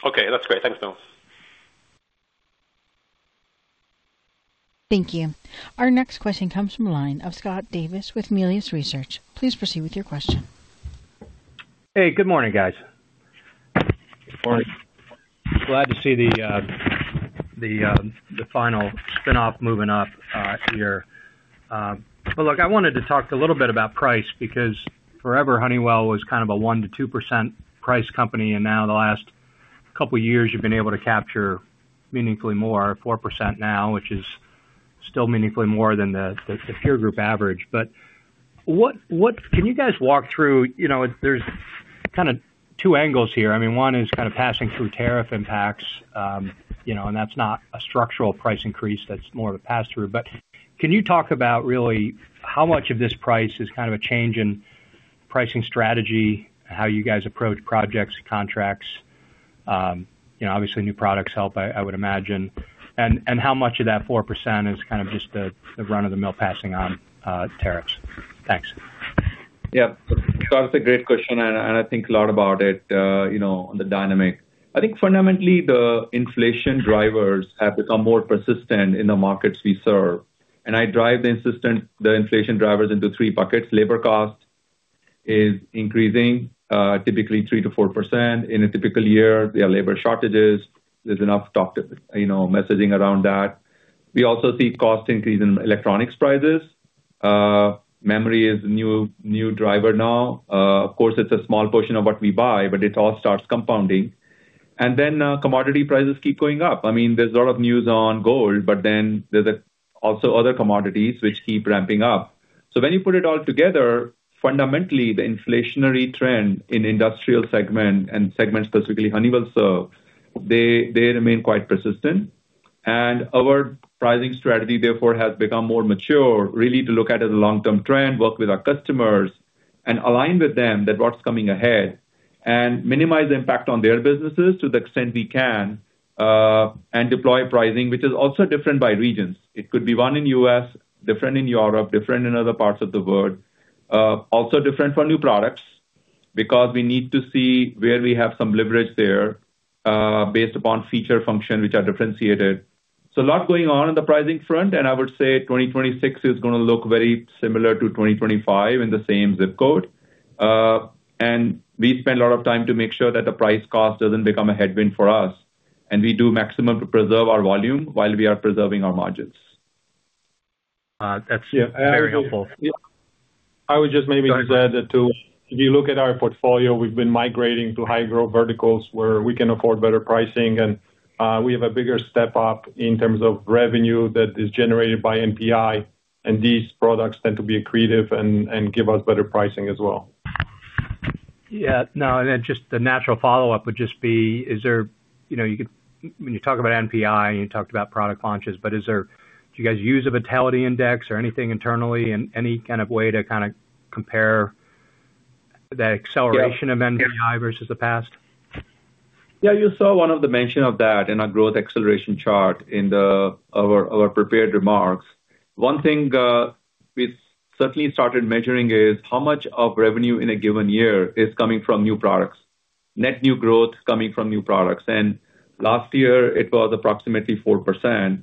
Okay, that's great. Thanks, Nil. Thank you. Our next question comes from the line of Scott Davis with Melius Research. Please proceed with your question. Hey, good morning, guys. Good morning. Glad to see the final spin-off moving up here. But look, I wanted to talk a little bit about price, because forever, Honeywell was kind of a 1%-2% price company, and now the last couple of years, you've been able to capture meaningfully more, 4% now, which is still meaningfully more than the peer group average. But what-- can you guys walk through... You know, there's kind of two angles here. I mean, one is kind of passing through tariff impacts, you know, and that's not a structural price increase, that's more of a pass-through. But can you talk about really how much of this price is kind of a change in pricing strategy, how you guys approach projects, contracts? You know, obviously, new products help, I would imagine. How much of that 4% is kind of just the run-of-the-mill passing on tariffs? Thanks. Yeah. Scott, it's a great question, and, and I think a lot about it, you know, on the dynamic. I think fundamentally, the inflation drivers have become more persistent in the markets we serve. And I divide the inflation drivers into three buckets. Labor cost is increasing, typically 3%-4% in a typical year. There are labor shortages. There's enough talk, you know, messaging around that. We also see cost increase in electronics prices. Memory is a new, new driver now. Of course, it's a small portion of what we buy, but it all starts compounding. And then, commodity prices keep going up. I mean, there's a lot of news on gold, but then there's also other commodities which keep ramping up. So when you put it all together, fundamentally, the inflationary trend in industrial segment and segments, specifically Honeywell Forge, they remain quite persistent. And our pricing strategy, therefore, has become more mature, really, to look at it as a long-term trend, work with our customers, and align with them that what's coming ahead, and minimize the impact on their businesses to the extent we can, and deploy pricing, which is also different by regions. It could be one in U.S., different in Europe, different in other parts of the world. Also different for new products, because we need to see where we have some leverage there, based upon feature function, which are differentiated. So a lot going on in the pricing front, and I would say 2026 is gonna look very similar to 2025 in the same zip code. We spend a lot of time to make sure that the price cost doesn't become a headwind for us, and we do maximum to preserve our volume while we are preserving our margins. That's very helpful. I would just maybe add that, too. If you look at our portfolio, we've been migrating to high-growth verticals where we can afford better pricing, and we have a bigger step up in terms of revenue that is generated by NPI, and these products tend to be accretive and, and give us better pricing as well. Yeah. Now, and then just the natural follow-up would just be, is there... You know, when you talk about NPI, and you talked about product launches, but do you guys use a vitality index or anything internally in any kind of way to kind of compare the acceleration of NPI versus the past? Yeah, you saw one of the mentions of that in our growth acceleration chart in our prepared remarks. One thing we've certainly started measuring is how much of revenue in a given year is coming from new products, net new growth coming from new products, and last year it was approximately 4%.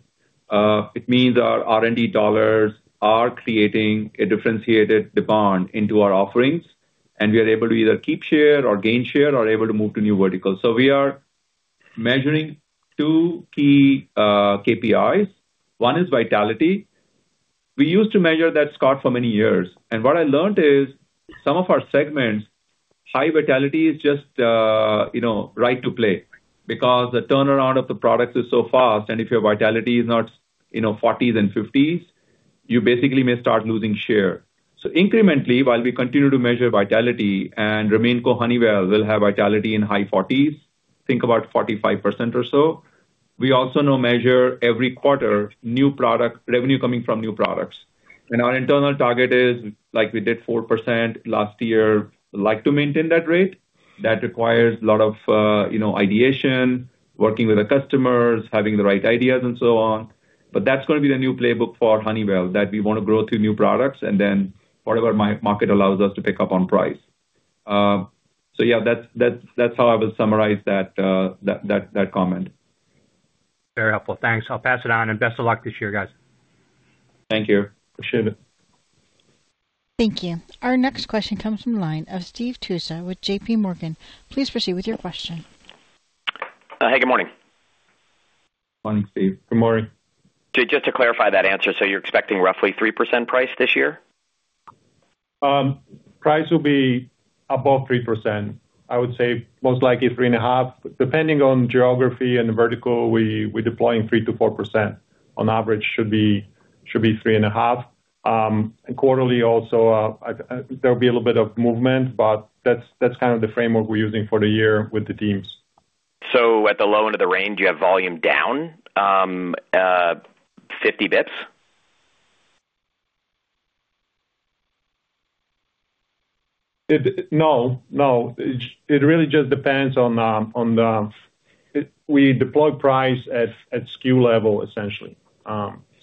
It means our R&D dollars are creating a differentiated demand into our offerings, and we are able to either keep share or gain share or able to move to new verticals. So we are measuring two key KPIs. One is vitality. We used to measure that, Scott, for many years, and what I learned is some of our segments, high vitality is just, you know, right to play, because the turnaround of the products is so fast. If your vitality is not, you know, 40s and 50s, you basically may start losing share. So incrementally, while we continue to measure vitality and remain at Honeywell, we'll have vitality in high 40s. Think about 45% or so. We also now measure every quarter new product revenue coming from new products. And our internal target is, like we did 4% last year, like to maintain that rate. That requires a lot of, you know, ideation, working with the customers, having the right ideas and so on. But that's going to be the new playbook for Honeywell, that we want to grow through new products and then whatever the market allows us to pick up on price. So, yeah, that's, that's, that's how I would summarize that, that, that comment. Very helpful. Thanks. I'll pass it on, and best of luck this year, guys. Thank you. Appreciate it. Thank you. Our next question comes from the line of Steve Tusa with JPMorgan. Please proceed with your question. Hey, good morning. Morning, Steve. Good morning. So just to clarify that answer, so you're expecting roughly 3% price this year? Price will be above 3%. I would say most likely 3.5. Depending on geography and vertical, we're deploying 3%-4%. On average, should be 3.5. Quarterly also, I think there'll be a little bit of movement, but that's kind of the framework we're using for the year with the teams. So at the low end of the range, you have volume down 50 basis points? It really just depends on the we deploy price at SKU level, essentially.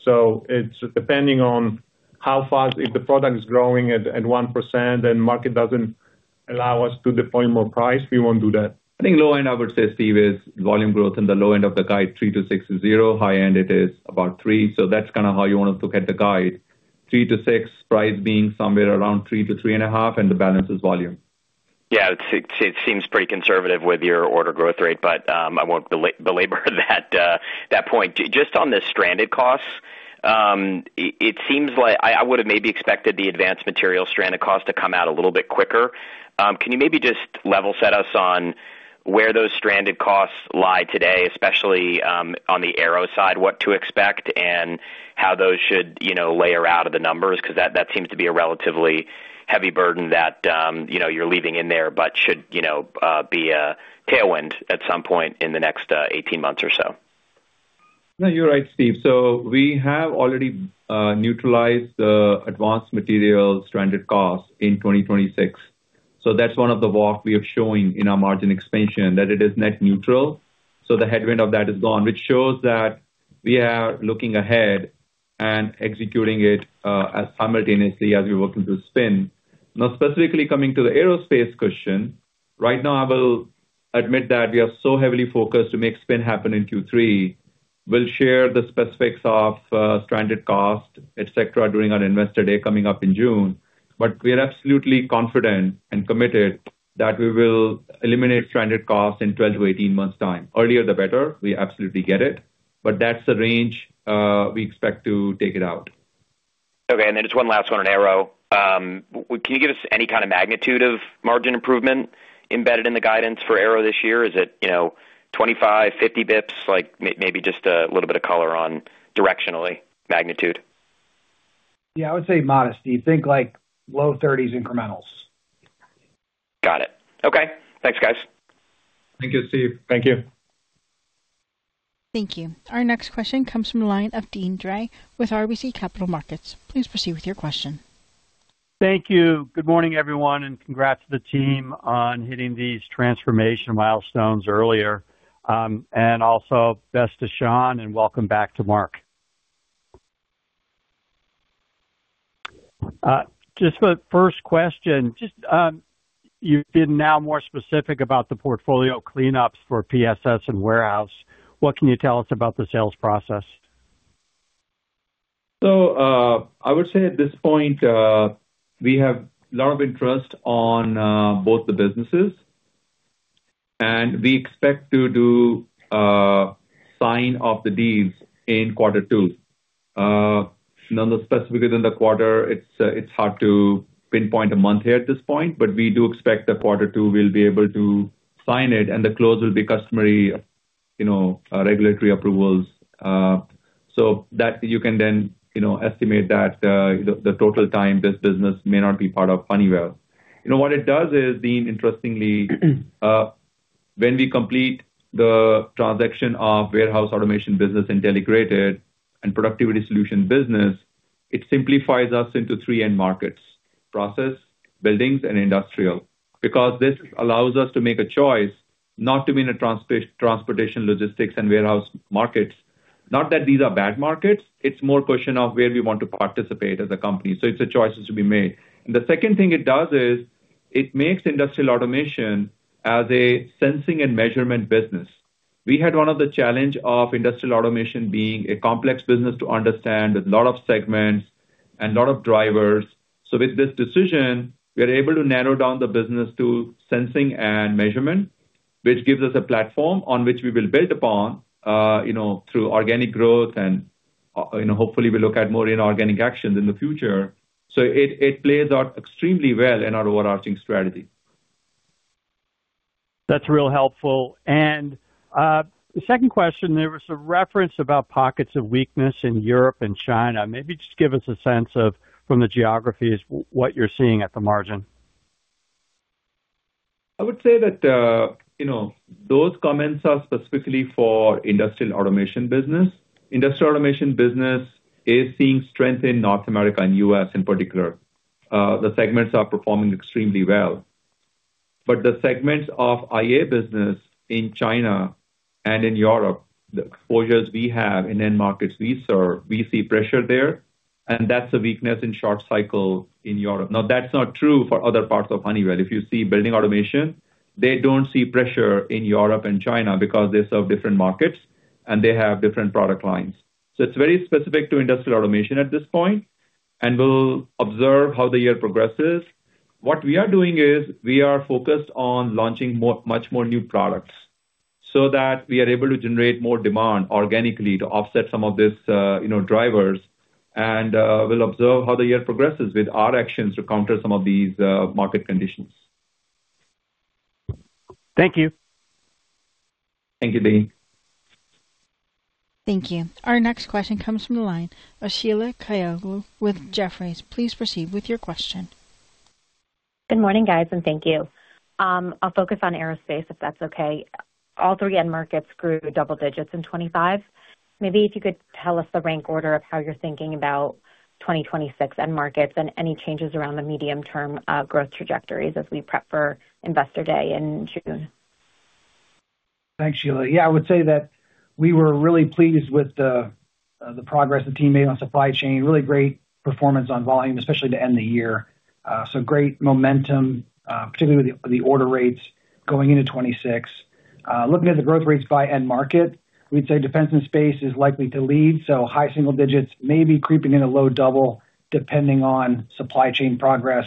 So it's depending on how fast if the product is growing at 1% and market doesn't allow us to deploy more price, we won't do that. I think low end, I would say, Steve, is volume growth in the low end of the guide, 3-6 is 0. High end, it is about 3. So that's kind of how you want to look at the guide. 3-6, price being somewhere around 3-3.5, and the balance is volume. Yeah, it seems pretty conservative with your order growth rate, but I won't belabor that point. Just on the stranded costs, it seems like I would have maybe expected the advanced material stranded costs to come out a little bit quicker. Can you maybe just level set us on where those stranded costs lie today, especially on the aero side, what to expect and how those should, you know, layer out of the numbers? Because that seems to be a relatively heavy burden that, you know, you're leaving in there, but should, you know, be a tailwind at some point in the next 18 months or so. No, you're right, Steve. So we have already neutralized the advanced materials stranded costs in 2026. So that's one of the work we are showing in our margin expansion, that it is net neutral, so the headwind of that is gone, which shows that we are looking ahead and executing it as simultaneously as we work through spin. Now, specifically coming to the aerospace question, right now, I will admit that we are so heavily focused to make spin happen in Q3. We'll share the specifics of stranded cost, et cetera, during our Investor Day coming up in June. But we are absolutely confident and committed that we will eliminate stranded costs in 12-18 months' time. Earlier, the better. We absolutely get it, but that's the range we expect to take it out. Okay. Then just one last one on aero. Can you give us any kind of magnitude of margin improvement embedded in the guidance for aero this year? Is it, you know, 25, 50 basis points? Like, maybe just a little bit of color on directionally magnitude. Yeah, I would say modest, Steve. Think like low 30s incrementals. Got it. Okay. Thanks, guys. Thank you, Steve. Thank you. Thank you. Our next question comes from the line of Deane Dray with RBC Capital Markets. Please proceed with your question. Thank you. Good morning, everyone, and congrats to the team on hitting these transformation milestones earlier. And also best to Sean, and welcome back to Mark. Just the first question, just, you've been now more specific about the portfolio cleanups for PSS and warehouse. What can you tell us about the sales process? So, I would say at this point, we have a lot of interest on both the businesses. And we expect to do sign of the deals in quarter two. None of specifically in the quarter, it's hard to pinpoint a month here at this point, but we do expect that quarter two will be able to sign it, and the close will be customary, you know, regulatory approvals. So that you can then, you know, estimate that the total time this business may not be part of Honeywell. You know, what it does is, Dean, interestingly, when we complete the transaction of warehouse automation business, Intelligrated, and Productivity Solutions business, it simplifies us into three end markets: process, buildings, and industrial. Because this allows us to make a choice not to be in a transportation, logistics, and warehouse markets. Not that these are bad markets, it's more question of where we want to participate as a company. So it's a choices to be made. The second thing it does is, it makes industrial automation as a sensing and measurement business. We had one of the challenge of industrial automation being a complex business to understand, with a lot of segments and a lot of drivers. So with this decision, we are able to narrow down the business to sensing and measurement, which gives us a platform on which we will build upon, you know, through organic growth and, you know, hopefully we look at more inorganic actions in the future. So it, it plays out extremely well in our overarching strategy. That's really helpful. And, the second question, there was a reference about pockets of weakness in Europe and China. Maybe just give us a sense of, from the geographies, what you're seeing at the margin. I would say that, you know, those comments are specifically for industrial automation business. Industrial automation business is seeing strength in North America and U.S. in particular. The segments are performing extremely well. But the segments of IA business in China and in Europe, the exposures we have in end markets we serve, we see pressure there, and that's a weakness in short cycle in Europe. Now, that's not true for other parts of Honeywell. If you see building automation, they don't see pressure in Europe and China because they serve different markets and they have different product lines. So it's very specific to industrial automation at this point, and we'll observe how the year progresses. What we are doing is, we are focused on launching more, much more new products, so that we are able to generate more demand organically to offset some of these, you know, drivers. We'll observe how the year progresses with our actions to counter some of these market conditions. Thank you. Thank you, Dean. Thank you. Our next question comes from the line of Sheila Kahyaoglu with Jefferies. Please proceed with your question. Good morning, guys, and thank you. I'll focus on aerospace, if that's okay. All three end markets grew double digits in 2025. Maybe if you could tell us the rank order of how you're thinking about 2026 end markets and any changes around the medium-term growth trajectories as we prep for Investor Day in June. Thanks, Sheila. Yeah, I would say that we were really pleased with the progress the team made on supply chain. Really great performance on volume, especially to end the year. So great momentum, particularly with the order rates going into 2026. Looking at the growth rates by end market, we'd say defense and space is likely to lead, so high single digits may be creeping into low double, depending on supply chain progress.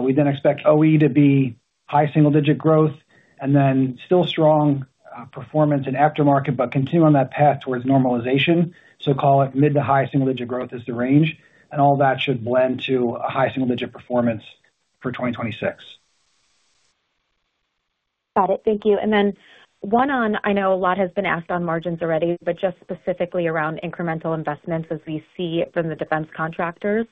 We then expect OE to be high single digit growth, and then still strong performance in aftermarket, but continue on that path towards normalization. So call it mid to high single digit growth is the range, and all that should blend to a high single digit performance for 2026. Got it. Thank you. And then, one on... I know a lot has been asked on margins already, but just specifically around incremental investments as we see from the defense contractors,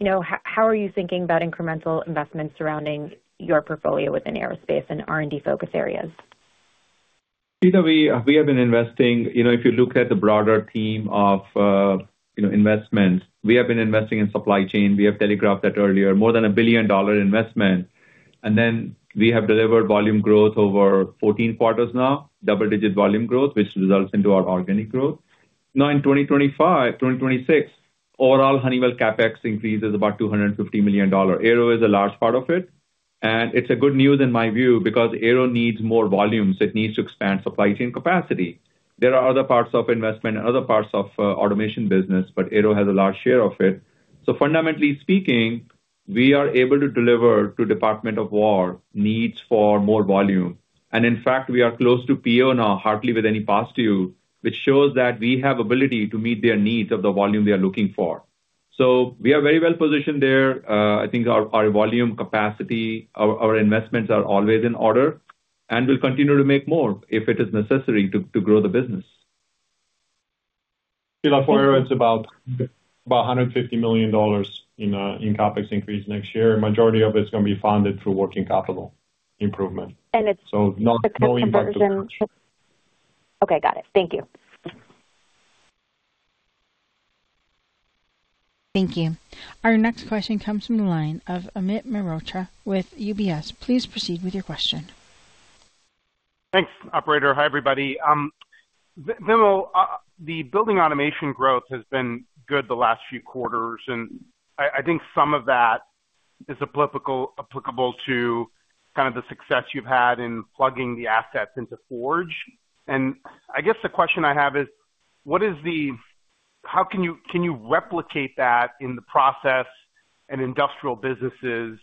you know, how are you thinking about incremental investments surrounding your portfolio within aerospace and R&D focus areas? Sheila, we, we have been investing, you know, if you look at the broader theme of, you know, investment, we have been investing in supply chain. We have telegraphed that earlier, more than a $1 billion investment, and then we have delivered volume growth over 14 quarters now, double-digit volume growth, which results into our organic growth. Now, in 2025, 2026, overall Honeywell CapEx increase is about $250 million. Aero is a large part of it, and it's good news in my view, because Aero needs more volumes, it needs to expand supply chain capacity. There are other parts of investment and other parts of automation business, but Aero has a large share of it. So fundamentally speaking, we are able to deliver to Department of Defense needs for more volume. In fact, we are close to PO now, hardly with any pass-through, which shows that we have ability to meet their needs of the volume they are looking for. So we are very well positioned there. I think our volume capacity, our investments are always in order, and we'll continue to make more if it is necessary to grow the business. Sheila, for Aero, it's about $150 million in CapEx increase next year. Majority of it's going to be funded through working capital improvement. And it's- So not going back to- Okay, got it. Thank you. Thank you. Our next question comes from the line of Amit Mehrotra with UBS. Please proceed with your question. Thanks, operator. Hi, everybody. Vimal, the building automation growth has been good the last few quarters, and I, I think some of that is applicable, applicable to kind of the success you've had in plugging the assets into Forge. And I guess the question I have is: How can you can you replicate that in the process and industrial businesses,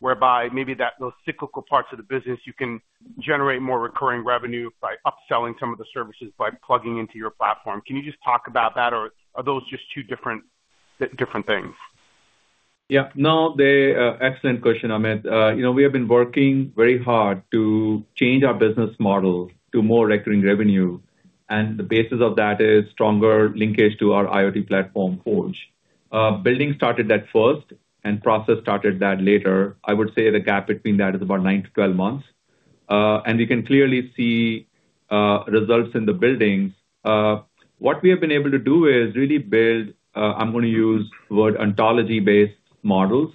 whereby maybe that those cyclical parts of the business, you can generate more recurring revenue by upselling some of the services, by plugging into your platform? Can you just talk about that, or are those just two different, different things? Yeah. No, they... Excellent question, Amit. You know, we have been working very hard to change our business model to more recurring revenue, and the basis of that is stronger linkage to our IoT platform, Forge. Building started that first and process started that later. I would say the gap between that is about 9-12 months, and we can clearly see results in the building. What we have been able to do is really build. I'm going to use the word ontology-based models.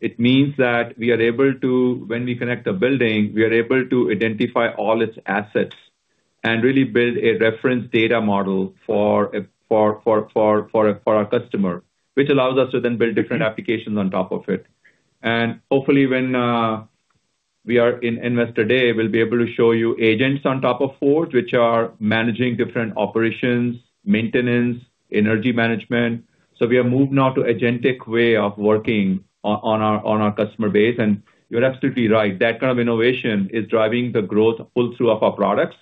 It means that we are able to, when we connect a building, we are able to identify all its assets and really build a reference data model for our customer, which allows us to then build different applications on top of it. And hopefully, when we are in Investor Day, we'll be able to show you agents on top of Forge, which are managing different operations, maintenance, energy management. So we are moving now to agentic way of working on our customer base. And you're absolutely right, that kind of innovation is driving the growth pull-through of our products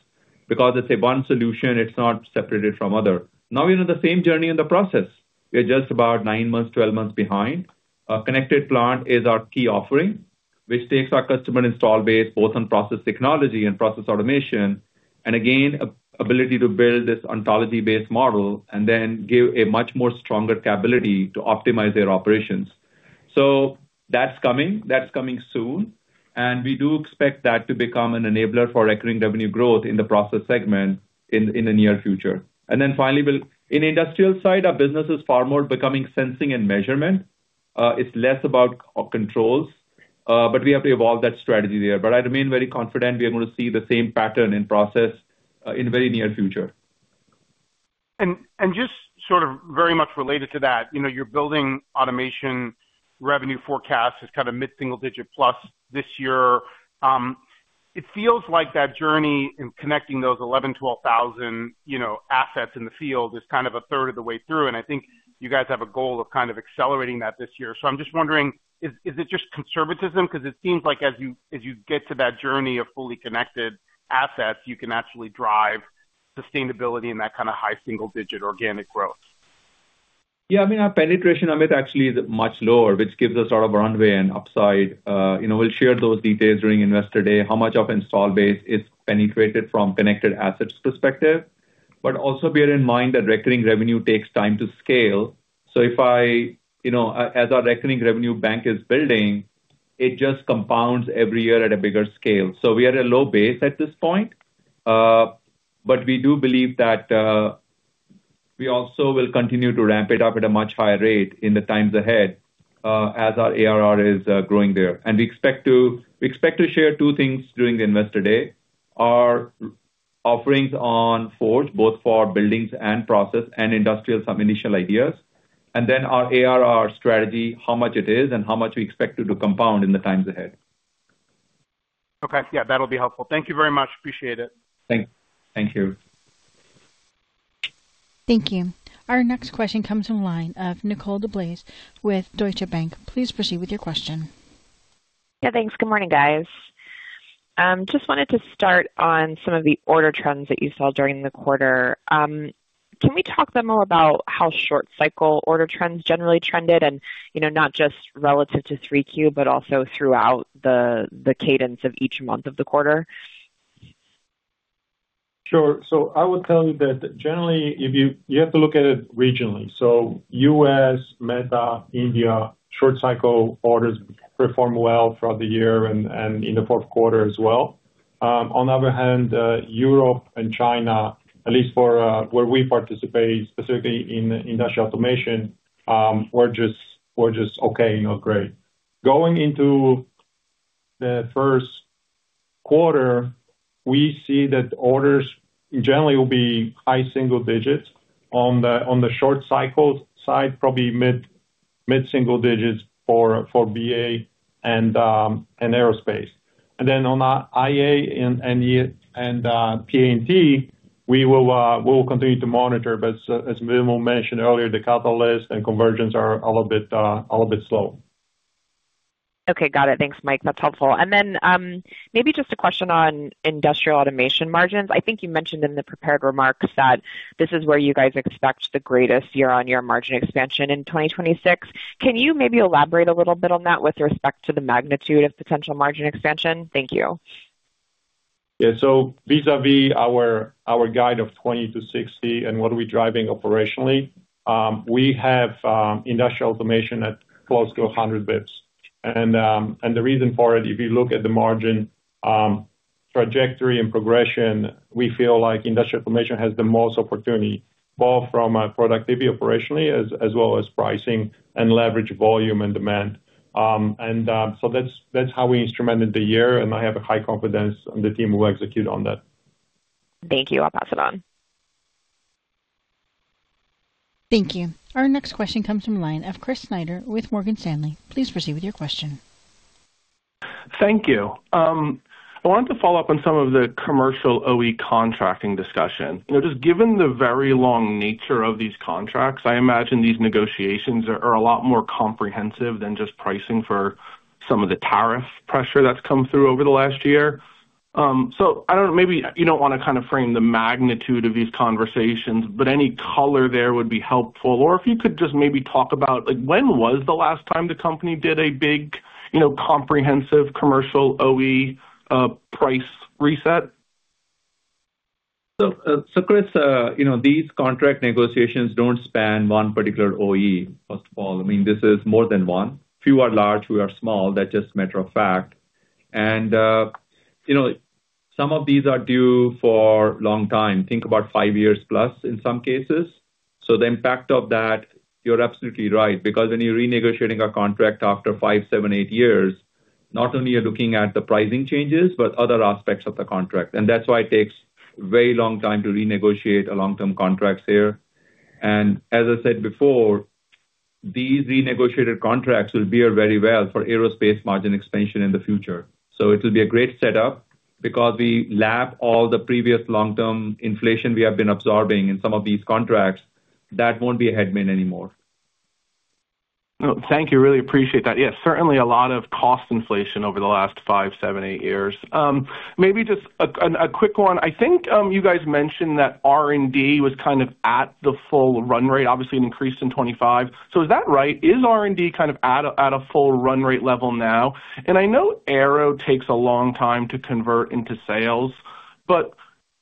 because it's a one solution, it's not separated from other. Now, we're in the same journey in the process. We're just about nine months, twelve months behind. Our connected plant is our key offering, which takes our customer install base, both on process technology and process automation, and again, ability to build this ontology-based model and then give a much more stronger capability to optimize their operations. So that's coming, that's coming soon, and we do expect that to become an enabler for recurring revenue growth in the process segment in the near future. And then finally, in industrial side, our business is far more becoming sensing and measurement. It's less about controls, but we have to evolve that strategy there. But I remain very confident we are going to see the same pattern in process in the very near future. Just sort of very much related to that, you know, your building automation revenue forecast is kind of mid-single-digit + this year. It feels like that journey in connecting those 11,000-12,000, you know, assets in the field is kind of a third of the way through, and I think you guys have a goal of kind of accelerating that this year. So I'm just wondering, is it just conservatism? Because it seems like as you get to that journey of fully connected assets, you can actually drive sustainability in that kind of high single-digit organic growth. Yeah, I mean, our penetration, Amit, actually is much lower, which gives us a lot of runway and upside. You know, we'll share those details during Investor Day, how much of install base is penetrated from connected assets perspective. But also bear in mind that recurring revenue takes time to scale. So, you know, as our recurring revenue bank is building, it just compounds every year at a bigger scale. So we are at a low base at this point, but we do believe that we also will continue to ramp it up at a much higher rate in the times ahead, as our ARR is growing there. And we expect to, we expect to share two things during the Investor Day. Our offerings on Forge, both for buildings and process and industrial, some initial ideas, and then our ARR strategy, how much it is and how much we expect it to compound in the times ahead. Okay. Yeah, that'll be helpful. Thank you very much. Appreciate it. Thank you. Thank you. Our next question comes from line of Nicole DeBlase with Deutsche Bank. Please proceed with your question. Yeah, thanks. Good morning, guys. Just wanted to start on some of the order trends that you saw during the quarter. Can we talk then more about how short cycle order trends generally trended and, you know, not just relative to 3Q, but also throughout the cadence of each month of the quarter? Sure. So I would tell you that generally, if you have to look at it regionally. So US, Middle East, India, short cycle orders performed well throughout the year and in the fourth quarter as well. On the other hand, Europe and China, at least for where we participate, specifically in industrial automation, were just okay, not great. Going into the first quarter, we see that orders generally will be high single digits. On the short cycle side, probably mid-single digits for BA and aerospace. And then on our IA and P&T, we will continue to monitor, but as Vimal mentioned earlier, the catalyst and conversions are a little bit slow. Okay, got it. Thanks, Mike. That's helpful. And then, maybe just a question on industrial automation margins. I think you mentioned in the prepared remarks that this is where you guys expect the greatest year-on-year margin expansion in 2026. Can you maybe elaborate a little bit on that with respect to the magnitude of potential margin expansion? Thank you. Yeah, so vis-a-vis our guide of 20-60 and what are we driving operationally, we have industrial automation at close to 100 basis points. And, and the reason for it, if you look at the margin trajectory and progression, we feel like industrial automation has the most opportunity, both from a productivity operationally, as well as pricing and leverage, volume and demand. And, so that's how we instrumented the year, and I have a high confidence in the team who execute on that. Thank you. I'll pass it on. Thank you. Our next question comes from line of Chris Snyder with Morgan Stanley. Please proceed with your question. Thank you. I wanted to follow up on some of the commercial OE contracting discussion. You know, just given the very long nature of these contracts, I imagine these negotiations are a lot more comprehensive than just pricing for some of the tariff pressure that's come through over the last year. So I don't know, maybe you don't want to kind of frame the magnitude of these conversations, but any color there would be helpful. Or if you could just maybe talk about, like, when was the last time the company did a big, you know, comprehensive commercial OE price reset? So, Chris, you know, these contract negotiations don't span one particular OE, first of all. I mean, this is more than one. Few are large, few are small, that's just a matter of fact. And, you know, some of these are due for a long time, think about five years plus in some cases. So the impact of that, you're absolutely right, because when you're renegotiating a contract after five, seven, eight years, not only are you looking at the pricing changes, but other aspects of the contract. And that's why it takes a very long time to renegotiate a long-term contracts there. And as I said before, these renegotiated contracts will bear very well for aerospace margin expansion in the future. It will be a great setup because we lap all the previous long-term inflation we have been absorbing in some of these contracts, that won't be a headwind anymore. Well, thank you. Really appreciate that. Yes, certainly a lot of cost inflation over the last 5, 7, 8 years. Maybe just a quick one. I think you guys mentioned that R&D was kind of at the full run rate, obviously an increase in 2025. So is that right? Is R&D kind of at a full run rate level now? And I know aero takes a long time to convert into sales, but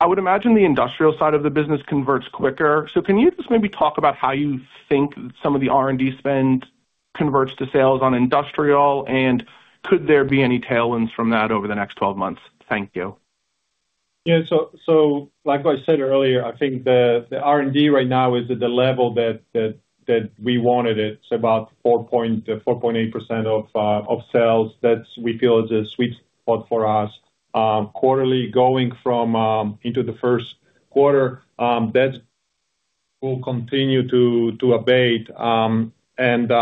I would imagine the industrial side of the business converts quicker. So can you just maybe talk about how you think some of the R&D spend converts to sales on industrial, and could there be any tailwinds from that over the next 12 months? Thank you. Yeah. So, like I said earlier, I think the R&D right now is at the level that we wanted it. It's about 4.8% of sales. That we feel is a sweet spot for us. Quarterly, going forward into the first quarter, that will continue to abate and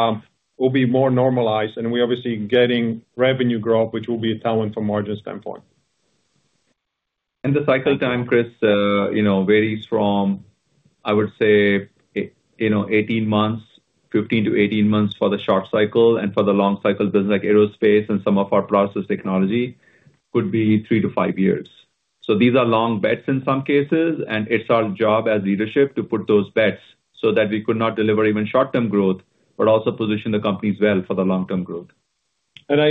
will be more normalized. And we're obviously getting revenue growth, which will be a tailwind from margin standpoint. And the cycle time, Chris, you know, varies from, I would say, you know, 18 months, 15-18 months for the short cycle and for the long cycle, business like aerospace and some of our process technology could be 3-5 years. So these are long bets in some cases, and it's our job as leadership to put those bets so that we could not deliver even short-term growth, but also position the companies well for the long-term growth. And I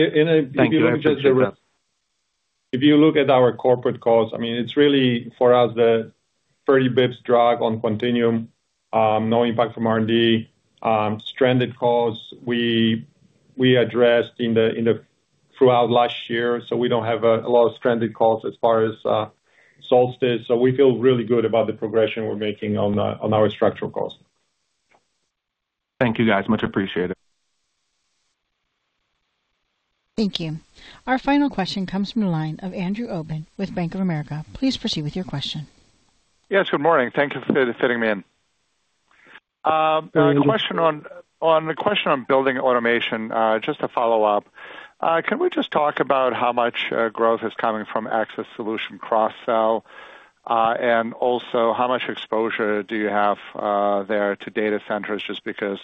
Thank you. I appreciate that. If you look at our corporate costs, I mean, it's really for us the 30 basis points drag on Quantinuum, no impact from R&D, stranded costs we addressed throughout last year, so we don't have a lot of stranded costs as far as Solstice. So we feel really good about the progression we're making on our structural costs. Thank you, guys. Much appreciated. Thank you. Our final question comes from the line of Andrew Obin with Bank of America. Please proceed with your question. Yes, good morning. Thank you for fitting me in. The question on building automation, just to follow up, can we just talk about how much growth is coming from Access Solutions cross-sell? And also, how much exposure do you have there to data centers, just because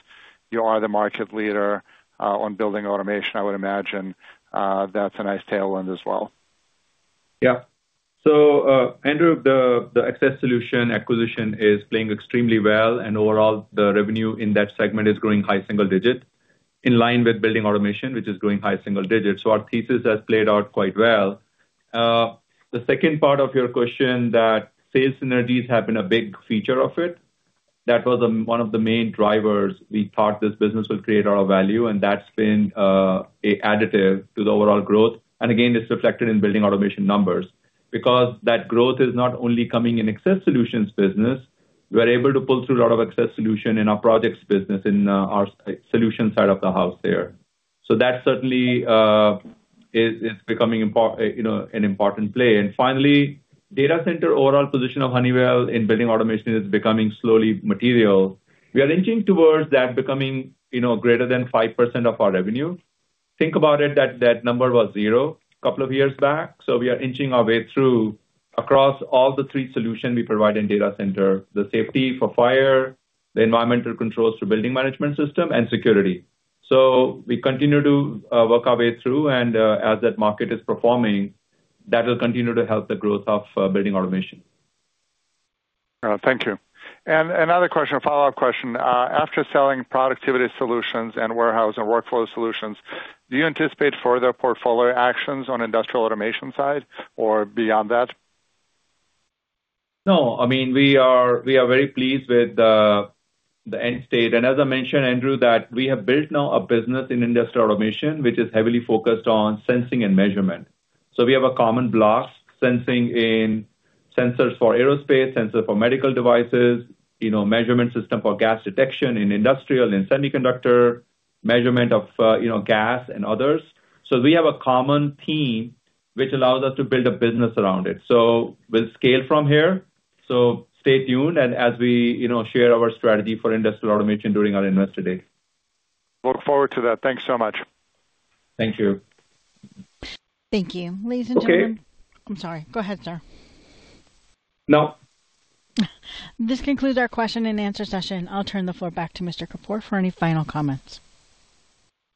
you are the market leader on building automation, I would imagine, that's a nice tailwind as well. Yeah. So, Andrew, the Access Solutions acquisition is playing extremely well, and overall, the revenue in that segment is growing high single digits, in line with building automation, which is growing high single digits. So our thesis has played out quite well. The second part of your question, that sales synergies have been a big feature of it. That was one of the main drivers. We thought this business would create our value, and that's been an additive to the overall growth, and again, it's reflected in building automation numbers. Because that growth is not only coming in Access Solutions business, we're able to pull through a lot of Access Solutions in our projects business, in our solution side of the house there. So that certainly is becoming, you know, an important play. Finally, data center overall position of Honeywell in building automation is becoming slowly material. We are inching towards that becoming, you know, greater than 5% of our revenue. Think about it, that, that number was 0 a couple of years back, so we are inching our way through across all the 3 solutions we provide in data center: the safety for fire, the environmental controls for building management system, and security. We continue to work our way through, and, as that market is performing, that will continue to help the growth of building automation. Thank you. Another question, a follow-up question. After selling Productivity Solutions and Warehouse and Workflow Solutions, do you anticipate further portfolio actions on industrial automation side or beyond that? No, I mean, we are, we are very pleased with the, the end state. As I mentioned, Andrew, that we have built now a business in industrial automation, which is heavily focused on sensing and measurement. We have a common block sensing in sensors for aerospace, sensors for medical devices, you know, measurement system for gas detection in industrial, in semiconductor, measurement of, you know, gas and others. We have a common team which allows us to build a business around it. We'll scale from here. Stay tuned, and as we, you know, share our strategy for industrial automation during our Investor Day. Look forward to that. Thanks so much. Thank you. Thank you. Ladies and gentlemen- Okay. I'm sorry. Go ahead, sir. No. This concludes our question and answer session. I'll turn the floor back to Mr. Kapur for any final comments.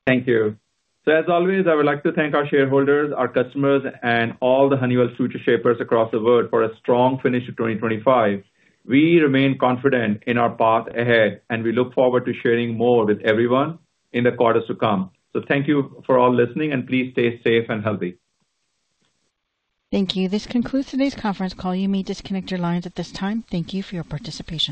Thank you. So as always, I would like to thank our shareholders, our customers, and all the Honeywell Futureshapers across the world for a strong finish to 2025. We remain confident in our path ahead, and we look forward to sharing more with everyone in the quarters to come. So thank you for all listening, and please stay safe and healthy. Thank you. This concludes today's conference call. You may disconnect your lines at this time. Thank you for your participation.